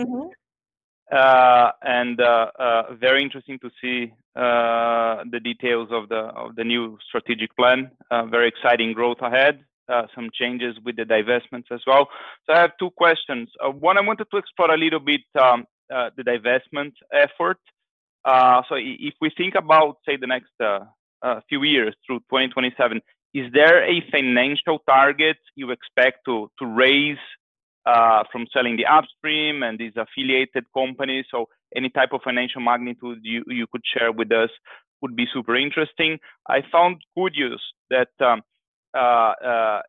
Mm-hmm. Very interesting to see the details of the new strategic plan. Very exciting growth ahead. Some changes with the divestments as well. So I have two questions. One, I wanted to explore a little bit the divestment effort. So if we think about, say, the next few years through 2027, is there a financial target you expect to raise from selling the upstream and these affiliated companies? So any type of financial magnitude you could share with us would be super interesting. I found good use that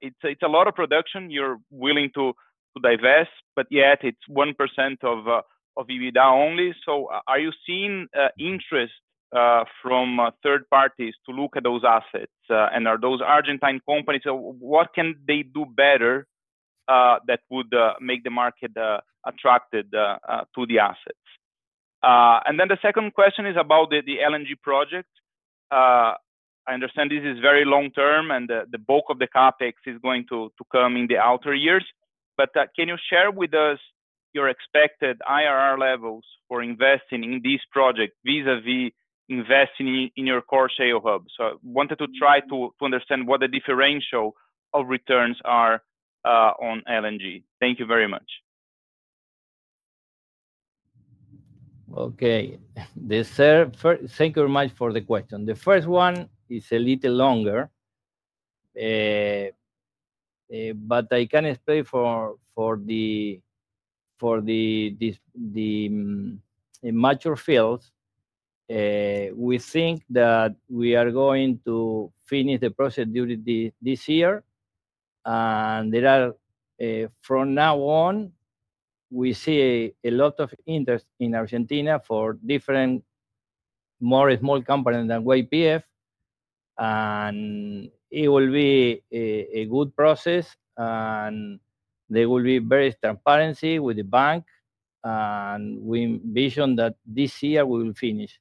it's a lot of production you're willing to divest, but yet it's 1% of EBITDA only. So are you seeing interest from third parties to look at those assets? And are those Argentine companies, what can they do better, that would make the market attracted to the assets? And then the second question is about the LNG project. I understand this is very long-term, and the bulk of the CapEx is going to come in the outer years, but can you share with us your expected IRR levels for investing in this project vis-a-vis investing in your core shale hub? So wanted to try to understand what the differential of returns are on LNG. Thank you very much. Okay. Thank you very much for the question. The first one is a little longer, but I can explain for the mature fields. We think that we are going to finish the process during this year, and there are. From now on, we see a lot of interest in Argentina for different, more small company than YPF, and it will be a good process, and there will be very transparency with the bank, and we envision that this year we will finish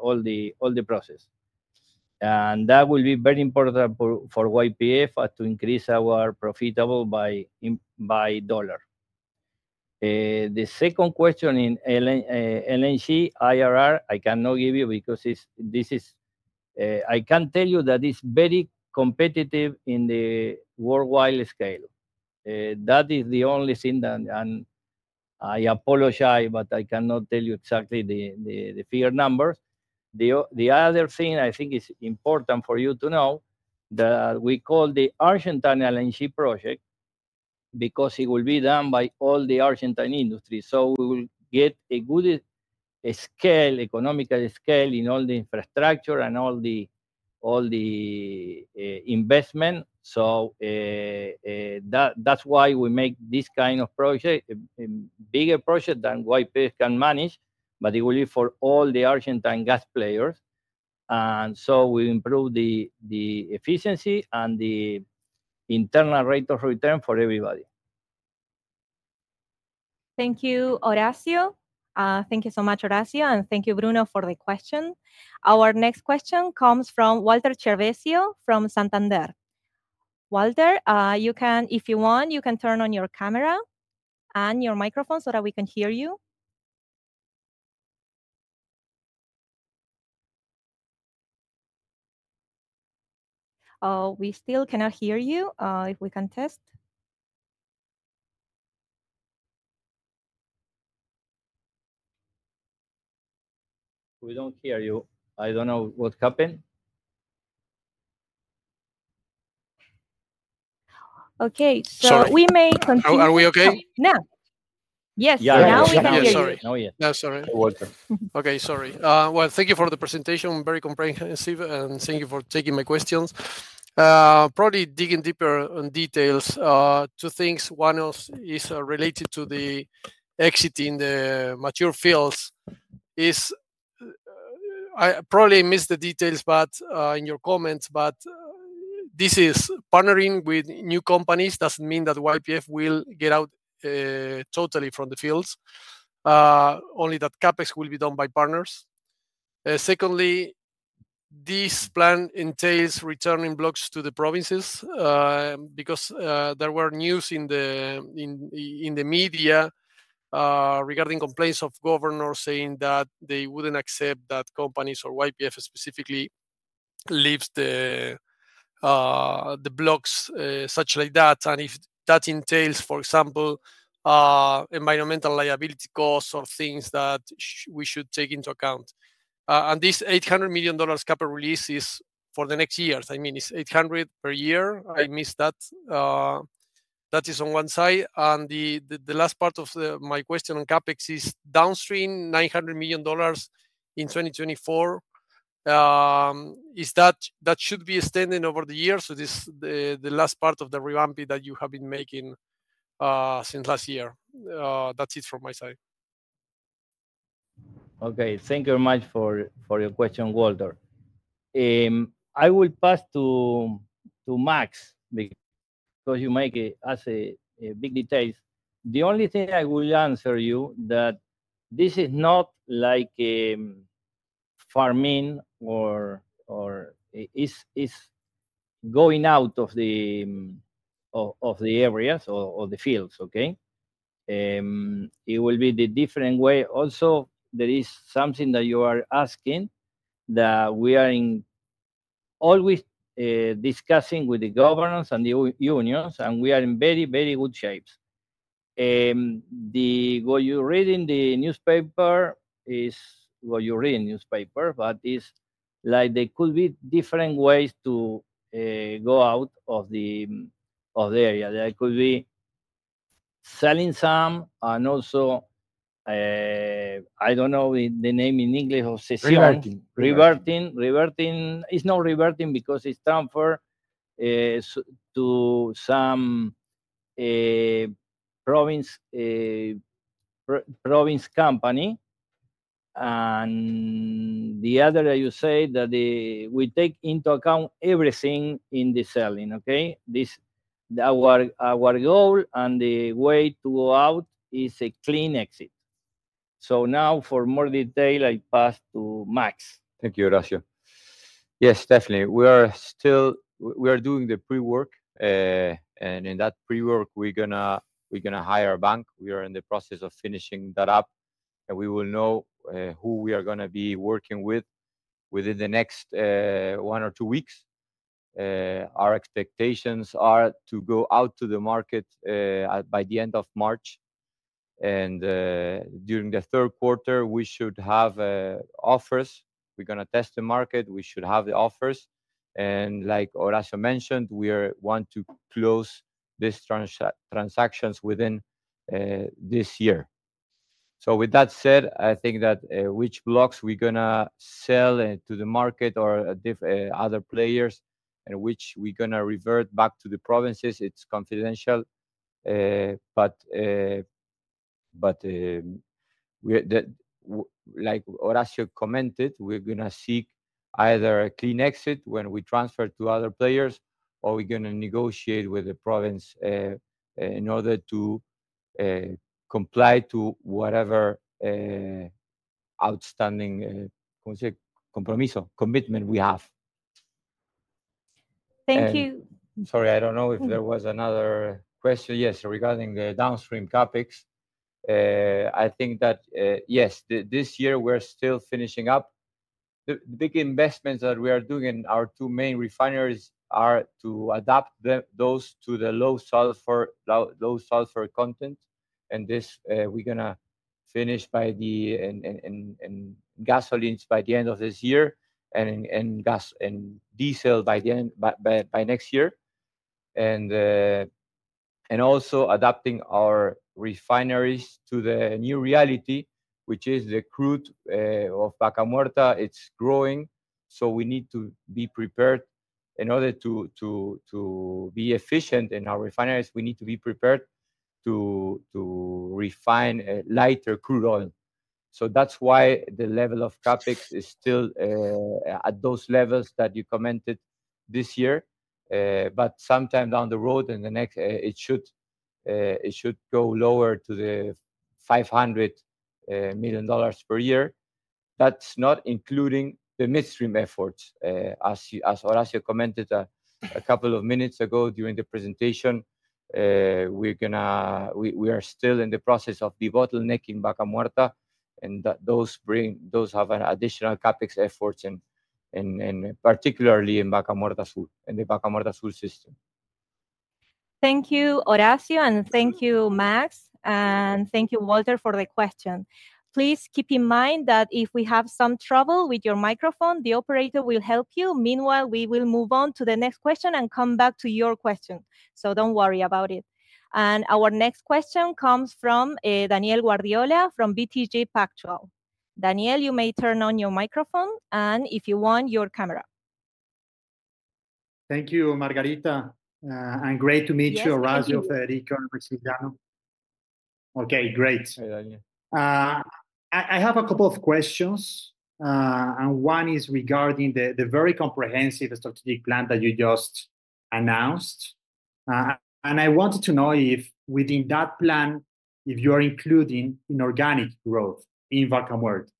all the process. And that will be very important for YPF to increase our profitability by dollar. The second question in LNG, IRR, I cannot give you because this is. I can tell you that it's very competitive in the worldwide scale. That is the only thing, and I apologize, but I cannot tell you exactly the figure numbers. The other thing I think is important for you to know, that we call the Argentine LNG Project, because it will be done by all the Argentine industry. So we will get a good scale, economical scale in all the infrastructure and all the investment. So, that, that's why we make this kind of project, bigger project than YPF can manage, but it will be for all the Argentine gas players, and so we improve the efficiency and the internal rate of return for everybody. Thank you, Horacio. Thank you so much, Horacio, and thank you, Bruno, for the question. Our next question comes from Walter Chiarvesio from Santander. Walter, if you want, you can turn on your camera and your microphone so that we can hear you. We still cannot hear you. If we can test? We don't hear you. I don't know what happened. Okay, so- Sorry... we may continue. Are we okay? Now. Yes, now we can hear you. Oh, yeah. Sorry. Oh, yeah. Yeah. Sorry, Walter. Okay. Sorry. Well, thank you for the presentation, very comprehensive, and thank you for taking my questions. Probably digging deeper on details, two things. One is related to the exit in the mature fields. I probably missed the details, but in your comments, but this is partnering with new companies doesn't mean that YPF will get out totally from the fields, only that CapEx will be done by partners. Secondly, this plan entails returning blocks to the provinces, because there were news in the media regarding complaints of governors saying that they wouldn't accept that companies or YPF specifically leaves the blocks such like that, and if that entails, for example, environmental liability costs or things that we should take into account. And this $800 million capital release is for the next years. I mean, it's $800 per year? I missed that. That is on one side, and the last part of my question on CapEx is downstream, $900 million in 2024, is that that should be extending over the years, so this, the last part of the revamp that you have been making since last year. That's it from my side. Okay. Thank you very much for your question, Walter. I will pass to Max, because you make a, as a, a big details. The only thing I will answer you that this is not like farming or... It's going out of the areas or the fields, okay? It will be the different way. Also, there is something that you are asking that we are always discussing with the governments and the unions, and we are in very, very good shapes. What you read in the newspaper is what you read in newspaper, but it's like there could be different ways to go out of the area. There could be selling some, and also, I don't know the name in English of cession- Reverting. Reverting. Reverting, it's not reverting because it's transfer to some province company. And the other, you say, that the... We take into account everything in the selling, okay? This, our goal and the way to go out is a clean exit. So now, for more detail, I pass to Max. Thank you, Horacio. Yes, definitely, we are still doing the pre-work. In that pre-work, we're gonna hire a bank. We are in the process of finishing that up, and we will know who we are gonna be working with within the next one or two weeks. Our expectations are to go out to the market by the end of March, and during the third quarter, we should have offers. We're gonna test the market, we should have the offers, and like Horacio mentioned, we want to close these transactions within this year. So with that said, I think that which blocks we're gonna sell to the market or other players, and which we're gonna revert back to the provinces, it's confidential. But, like Horacio commented, we're gonna seek either a clean exit when we transfer to other players, or we're gonna negotiate with the province in order to comply to whatever outstanding commitment we have. Thank you- Sorry, I don't know if there was another question. Yes, regarding the downstream CapEx, I think that, yes, this year we're still finishing up. The big investments that we are doing in our two main refineries are to adapt those to the low sulfur, low sulfur content, and this, we're gonna finish in gasoline by the end of this year, and in gasoline and diesel by the end of next year. And also adapting our refineries to the new reality, which is the crude of Vaca Muerta. It's growing, so we need to be prepared. In order to be efficient in our refineries, we need to be prepared to refine lighter crude oil. So that's why the level of CapEx is still at those levels that you commented this year. But sometime down the road, in the next, it should go lower to the $500 million per year. That's not including the midstream efforts. As you, as Horacio commented a couple of minutes ago during the presentation, we're gonna. We are still in the process of debottlenecking Vaca Muerta, and those have an additional CapEx efforts in particularly in Vaca Muerta Sur, in the Vaca Muerta Sur system. Thank you, Horacio, and thank you, Max, and thank you, Walter, for the question. Please keep in mind that if we have some trouble with your microphone, the operator will help you. Meanwhile, we will move on to the next question and come back to your question, so don't worry about it. Our next question comes from Daniel Guardiola from BTG Pactual. Daniel, you may turn on your microphone and, if you want, your camera. Thank you, Margarita, and great to meet you- Yes, thank you.... Horacio, Federico, and Maximiliano. Okay, great. Hi, Daniel. I have a couple of questions, and one is regarding the very comprehensive strategic plan that you just announced. I wanted to know if, within that plan, if you are including inorganic growth in Vaca Muerta?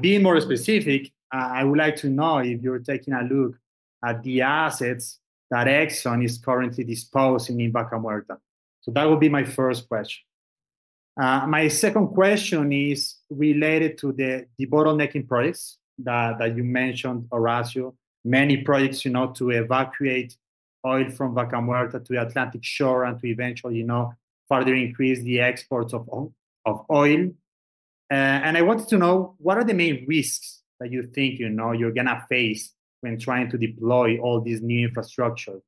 Being more specific, I would like to know if you're taking a look at the assets that Exxon is currently disposing in Vaca Muerta. So that would be my first question. My second question is related to the debottlenecking projects that you mentioned, Horacio. Many projects, you know, to evacuate oil from Vaca Muerta to the Atlantic shore, and to eventually, you know, further increase the exports of oil. I wanted to know, what are the main risks that you think, you know, you're gonna face when trying to deploy all this new infrastructure?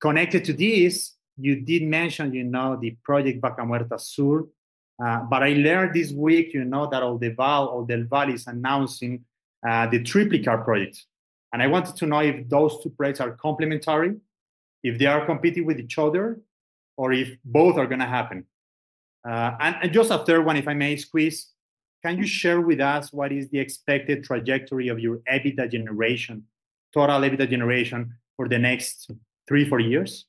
Connected to this, you did mention, you know, the project Vaca Muerta Sur, but I learned this week, you know, that Oldelval, Oldelval is announcing, the Triplicar project, and I wanted to know if those two projects are complementary, if they are competing with each other, or if both are gonna happen? And, and just a third one, if I may squeeze: Can you share with us what is the expected trajectory of your EBITDA generation, total EBITDA generation, for the next three, four years?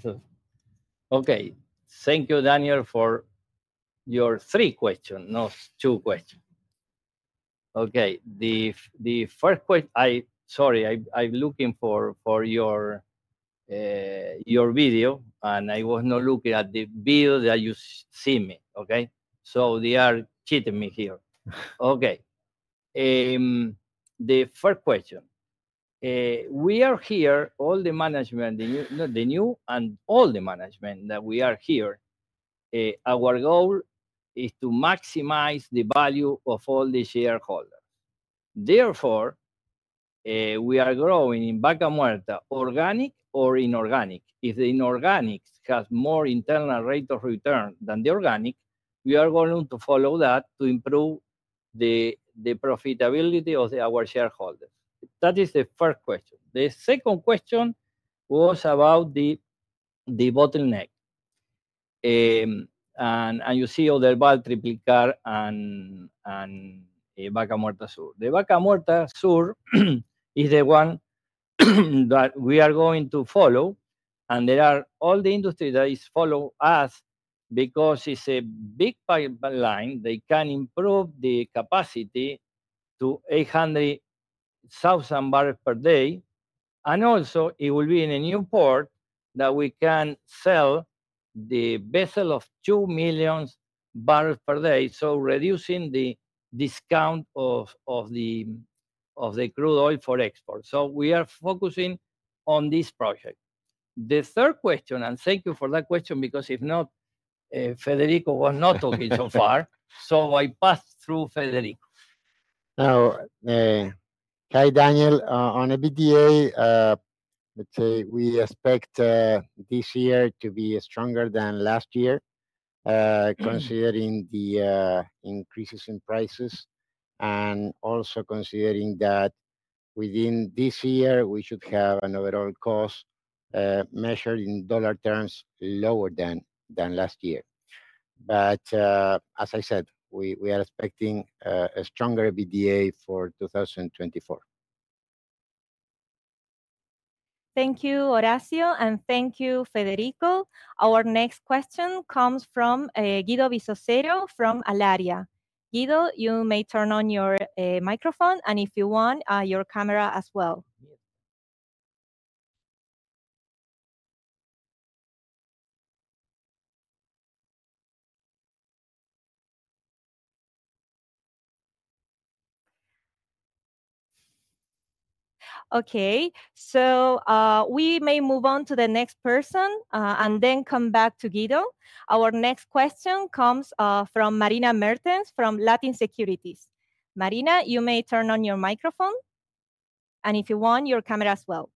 So, okay. Thank you, Daniel, for your three question, not two question. Okay, the first question. Sorry, I'm looking for your video, and I was not looking at the video that you see me, okay? So they are cheating me here. Okay, the first question, we are here, all the management, the new and all the management that we are here. Our goal is to maximize the value of all the shareholders. Therefore, we are growing in Vaca Muerta, organic or inorganic. If the inorganics has more internal rate of return than the organic, we are going to follow that to improve the profitability of our shareholders. That is the first question. The second question was about the bottleneck. And you see all the Oldelval Triplicar and Vaca Muerta Sur. The Vaca Muerta Sur is the one that we are going to follow, and there are all the industry that is follow us because it's a big pipeline. They can improve the capacity to 800,000 barrels per day, and also it will be in a new port that we can sell the vessel of 2 million barrels per day, so reducing the discount of the crude oil for export. So we are focusing on this project. The third question, and thank you for that question, because if not, Federico was not talking so far, so I pass through Federico. Now, hi, Daniel. On EBITDA, let's say we expect this year to be stronger than last year. Mm... considering the increases in prices, and also considering that within this year we should have an overall cost measured in dollar terms lower than last year. But as I said, we are expecting a stronger EBITDA for 2024. Thank you, Horacio, and thank you, Federico. Our next question comes from Guido Bizzozero from Allaria. Guido, you may turn on your microphone, and if you want, your camera as well. Okay, so, we may move on to the next person, and then come back to Guido. Our next question comes from Marina Mertens, from Latin Securities. Marina, you may turn on your microphone, and if you want, your camera as well.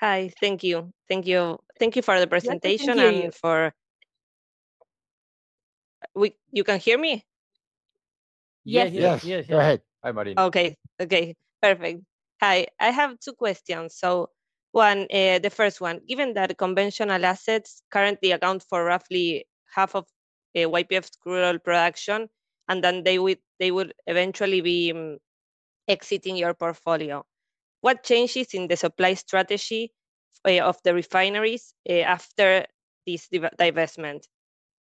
Hi. Thank you. Thank you, thank you for the presentation- Yeah, thank you. You can hear me? Yes. Yes. Yes, go ahead. Hi, Marina. Okay. Okay, perfect. Hi, I have two questions. So one, the first one: given that conventional assets currently account for roughly half of YPF's crude oil production, and then they would eventually be exiting your portfolio, what changes in the supply strategy of the refineries after this divestment?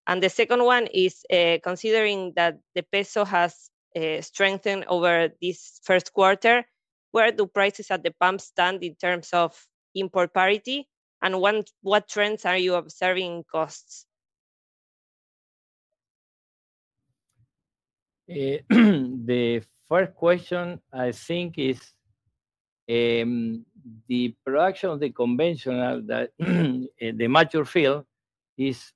And the second one is, considering that the peso has strengthened over this first quarter, where do prices at the pump stand in terms of import parity, and what trends are you observing in costs? The first question, I think, is the production of the conventional that the mature field is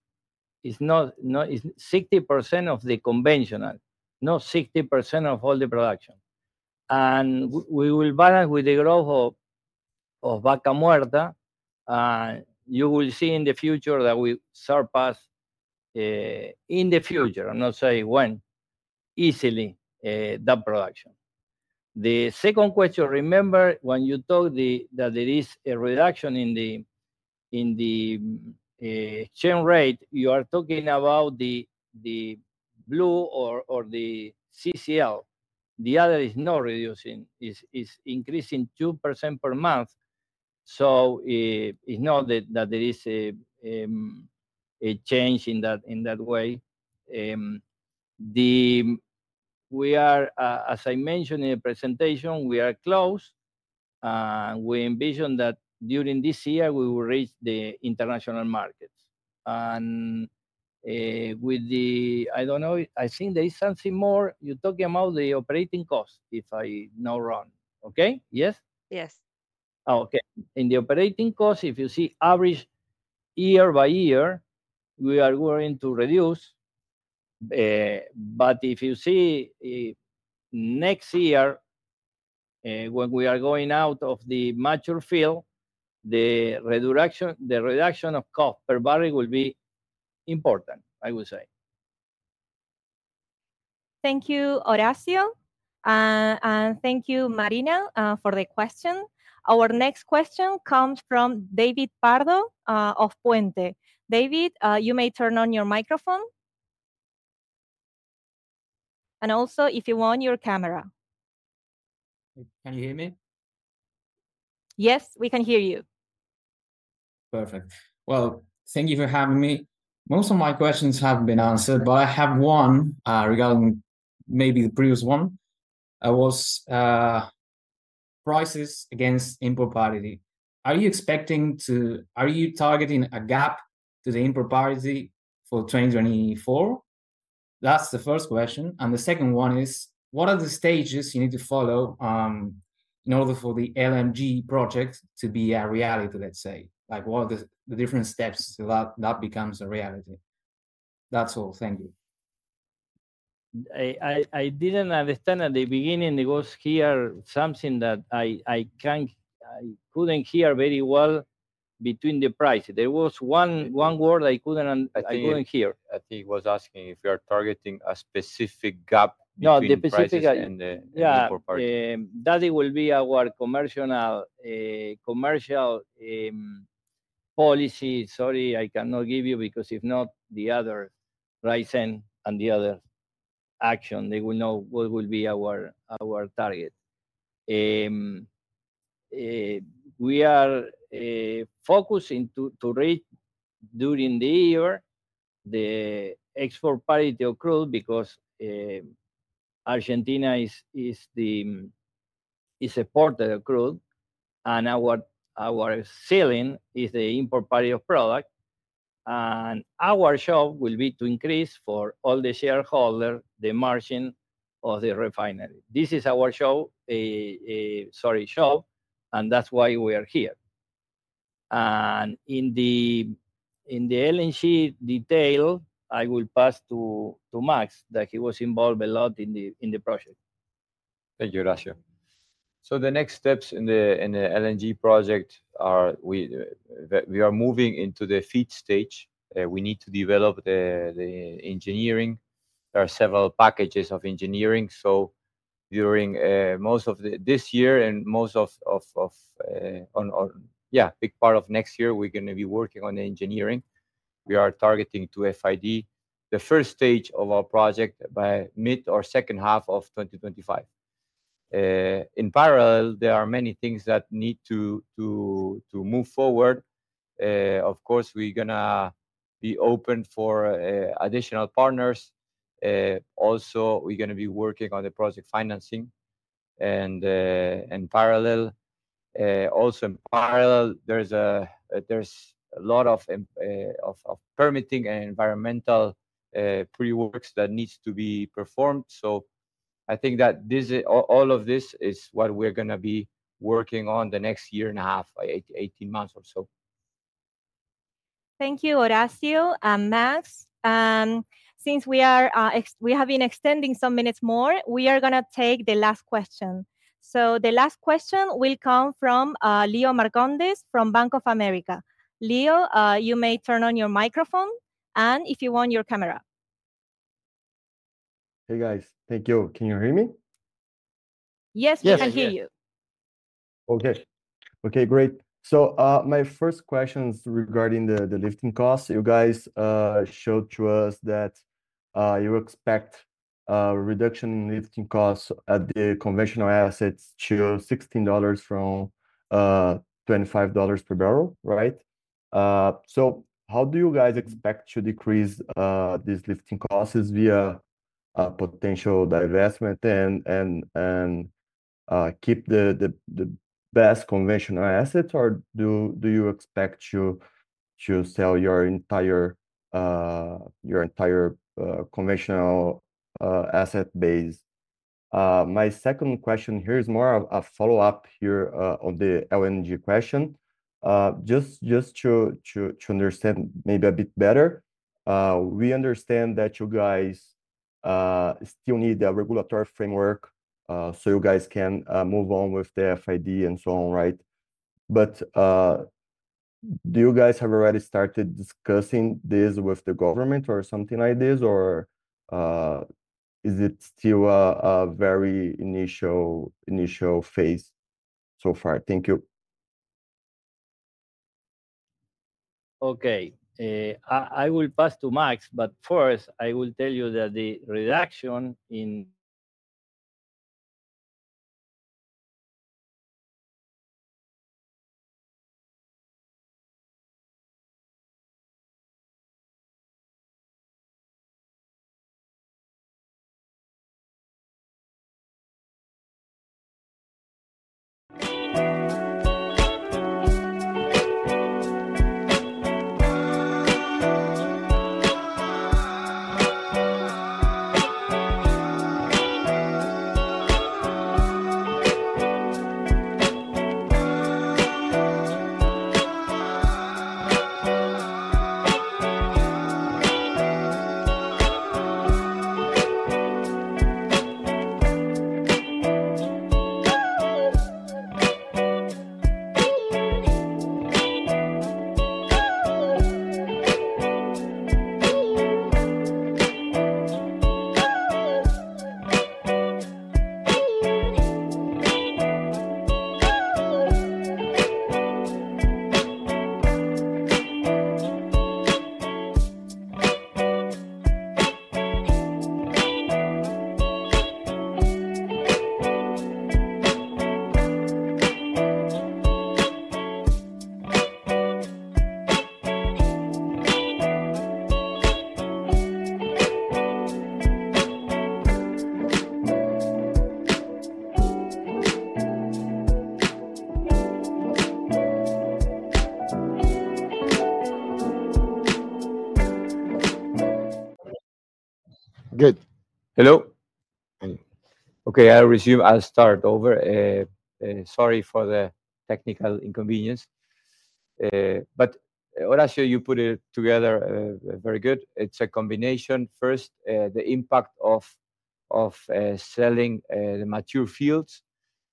not 60% of the conventional, not 60% of all the production, and we will balance with the growth of Vaca Muerta. You will see in the future that we surpass, in the future, I'm not saying when, easily, that production. The second question, remember, when you talk the that there is a reduction in the exchange rate, you are talking about the blue or the CCL. The other is not reducing. It's increasing 2% per month, so, it's not that that there is a change in that way. The... We are, as I mentioned in the presentation, we are close, and we envision that during this year we will reach the international markets. And, with the... I don't know, I think there is something more. You're talking about the operating cost, if I not wrong. Okay? Yes? Yes. Oh, okay. In the operating cost, if you see average year-by-year, we are going to reduce, but if you see, next year, when we are going out of the mature field, the reduction, the reduction of cost per barrel will be important, I would say. Thank you, Horacio, and thank you, Marina, for the question. Our next question comes from David Pardo, of Puente. David, you may turn on your microphone, and also, if you want, your camera. Can you hear me? Yes, we can hear you. Perfect. Well, thank you for having me. Most of my questions have been answered, but I have one, regarding maybe the previous one, prices against import parity. Are you expecting to... Are you targeting a gap to the import parity for 2024?... That's the first question, and the second one is, what are the stages you need to follow, in order for the LNG project to be a reality, let's say? Like, what are the, the different steps so that, that becomes a reality? That's all. Thank you. I didn't understand at the beginning. There was something here that I couldn't hear very well between the price. There was one word I couldn't un- I think- I couldn't hear. I think he was asking if you are targeting a specific gap between- No, the specific- the prices and the import parity. Yeah, that will be our commercial policy. Sorry, I cannot give you, because if not, the other pricing and the other action, they will know what will be our target. We are focusing to reach during the year the export parity of crude, because Argentina is importer crude, and our ceiling is the import parity of product. And our job will be to increase for all the shareholder the margin of the refinery. This is our job, sorry, job, and that's why we are here. And in the LNG detail, I will pass to Max, that he was involved a lot in the project. Thank you, Horacio. So the next steps in the LNG project are we are moving into the FEED stage. We need to develop the engineering. There are several packages of engineering, so during most of the... This year and most of next year, we're gonna be working on the engineering. We are targeting to FID the first stage of our project by mid or second half of 2025. In parallel, there are many things that need to move forward. Of course, we're gonna be open for additional partners. Also, we're gonna be working on the project financing and in parallel. Also in parallel, there's a lot of permitting and environmental pre-works that needs to be performed. So I think that this, all, all of this, is what we're gonna be working on the next year and a half, 18, 18 months or so. Thank you, Horacio and Max. Since we have been extending some minutes more, we are gonna take the last question. So the last question will come from Leo Marcondes from Bank of America. Leo, you may turn on your microphone, and if you want, your camera. Hey, guys. Thank you. Can you hear me? Yes, we can hear you. Yes. Okay. Okay, great. So, my first question is regarding the lifting costs. You guys showed to us that you expect reduction in lifting costs at the conventional assets to $16 from $25 per barrel, right? So how do you guys expect to decrease these lifting costs? Via potential divestment and keep the best conventional assets, or do you expect to sell your entire conventional asset base? My second question here is more of a follow-up here on the LNG question. Just to understand maybe a bit better, we understand that you guys still need a regulatory framework so you guys can move on with the FID and so on, right? But, do you guys have already started discussing this with the government or something like this, or, is it still a very initial phase so far? Thank you. Okay. I will pass to Max, but first, I will tell you that the reduction in- ... Good. Hello? Hi. Okay, I'll resume. I'll start over. Sorry for the technical inconvenience. But Horacio, you put it together, very good. It's a combination. First, the impact of, of, selling, the mature fields.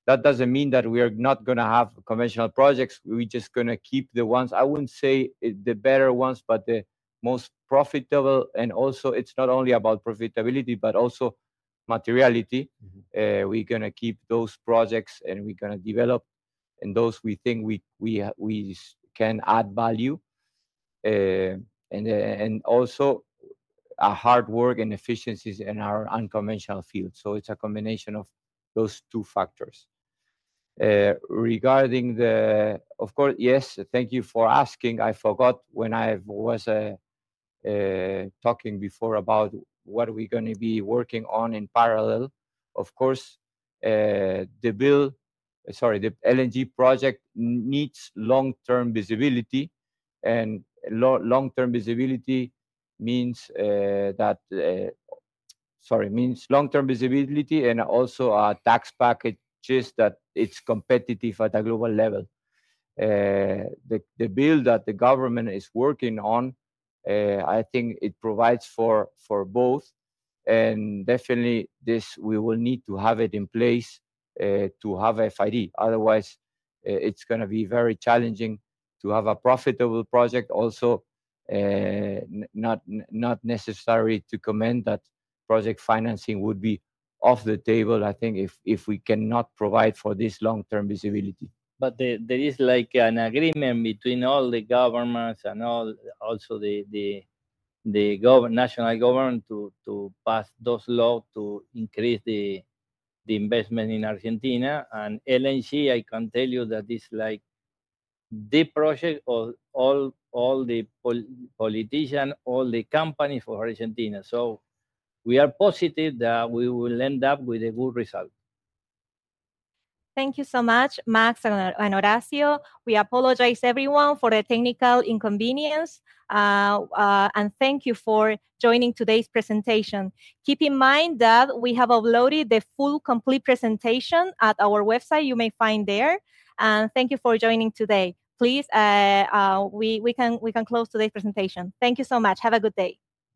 That doesn't mean that we are not gonna have conventional projects, we're just gonna keep the ones, I wouldn't say the better ones, but the most profitable. And also, it's not only about profitability, but also materiality. Mm-hmm. We're gonna keep those projects, and we're gonna develop, and those we think we, we, we can add value. And, and also our hard work and efficiencies in our unconventional field. So it's a combination of those two factors. Regarding the... Of course, yes, thank you for asking. I forgot when I was talking before about what are we gonna be working on in parallel. Of course, the bill. Sorry, the LNG project needs long-term visibility, and long-term visibility means that. Sorry, means long-term visibility and also tax packages that it's competitive at a global level. The bill that the government is working on, I think it provides for both, and definitely this we will need to have it in place to have FID. Otherwise, it's gonna be very challenging to have a profitable project. Also, not necessary to comment that project financing would be off the table, I think, if we cannot provide for this long-term visibility. But there is like an agreement between all the governments and all... Also the national government to pass those laws to increase the investment in Argentina. And LNG, I can tell you that is like the project of all the politicians, all the companies for Argentina. So we are positive that we will end up with a good result. Thank you so much, Max and Horacio. We apologize, everyone, for the technical inconvenience. And thank you for joining today's presentation. Keep in mind that we have uploaded the full, complete presentation at our website. You may find there, and thank you for joining today. Please, we can close today's presentation. Thank you so much. Have a good day.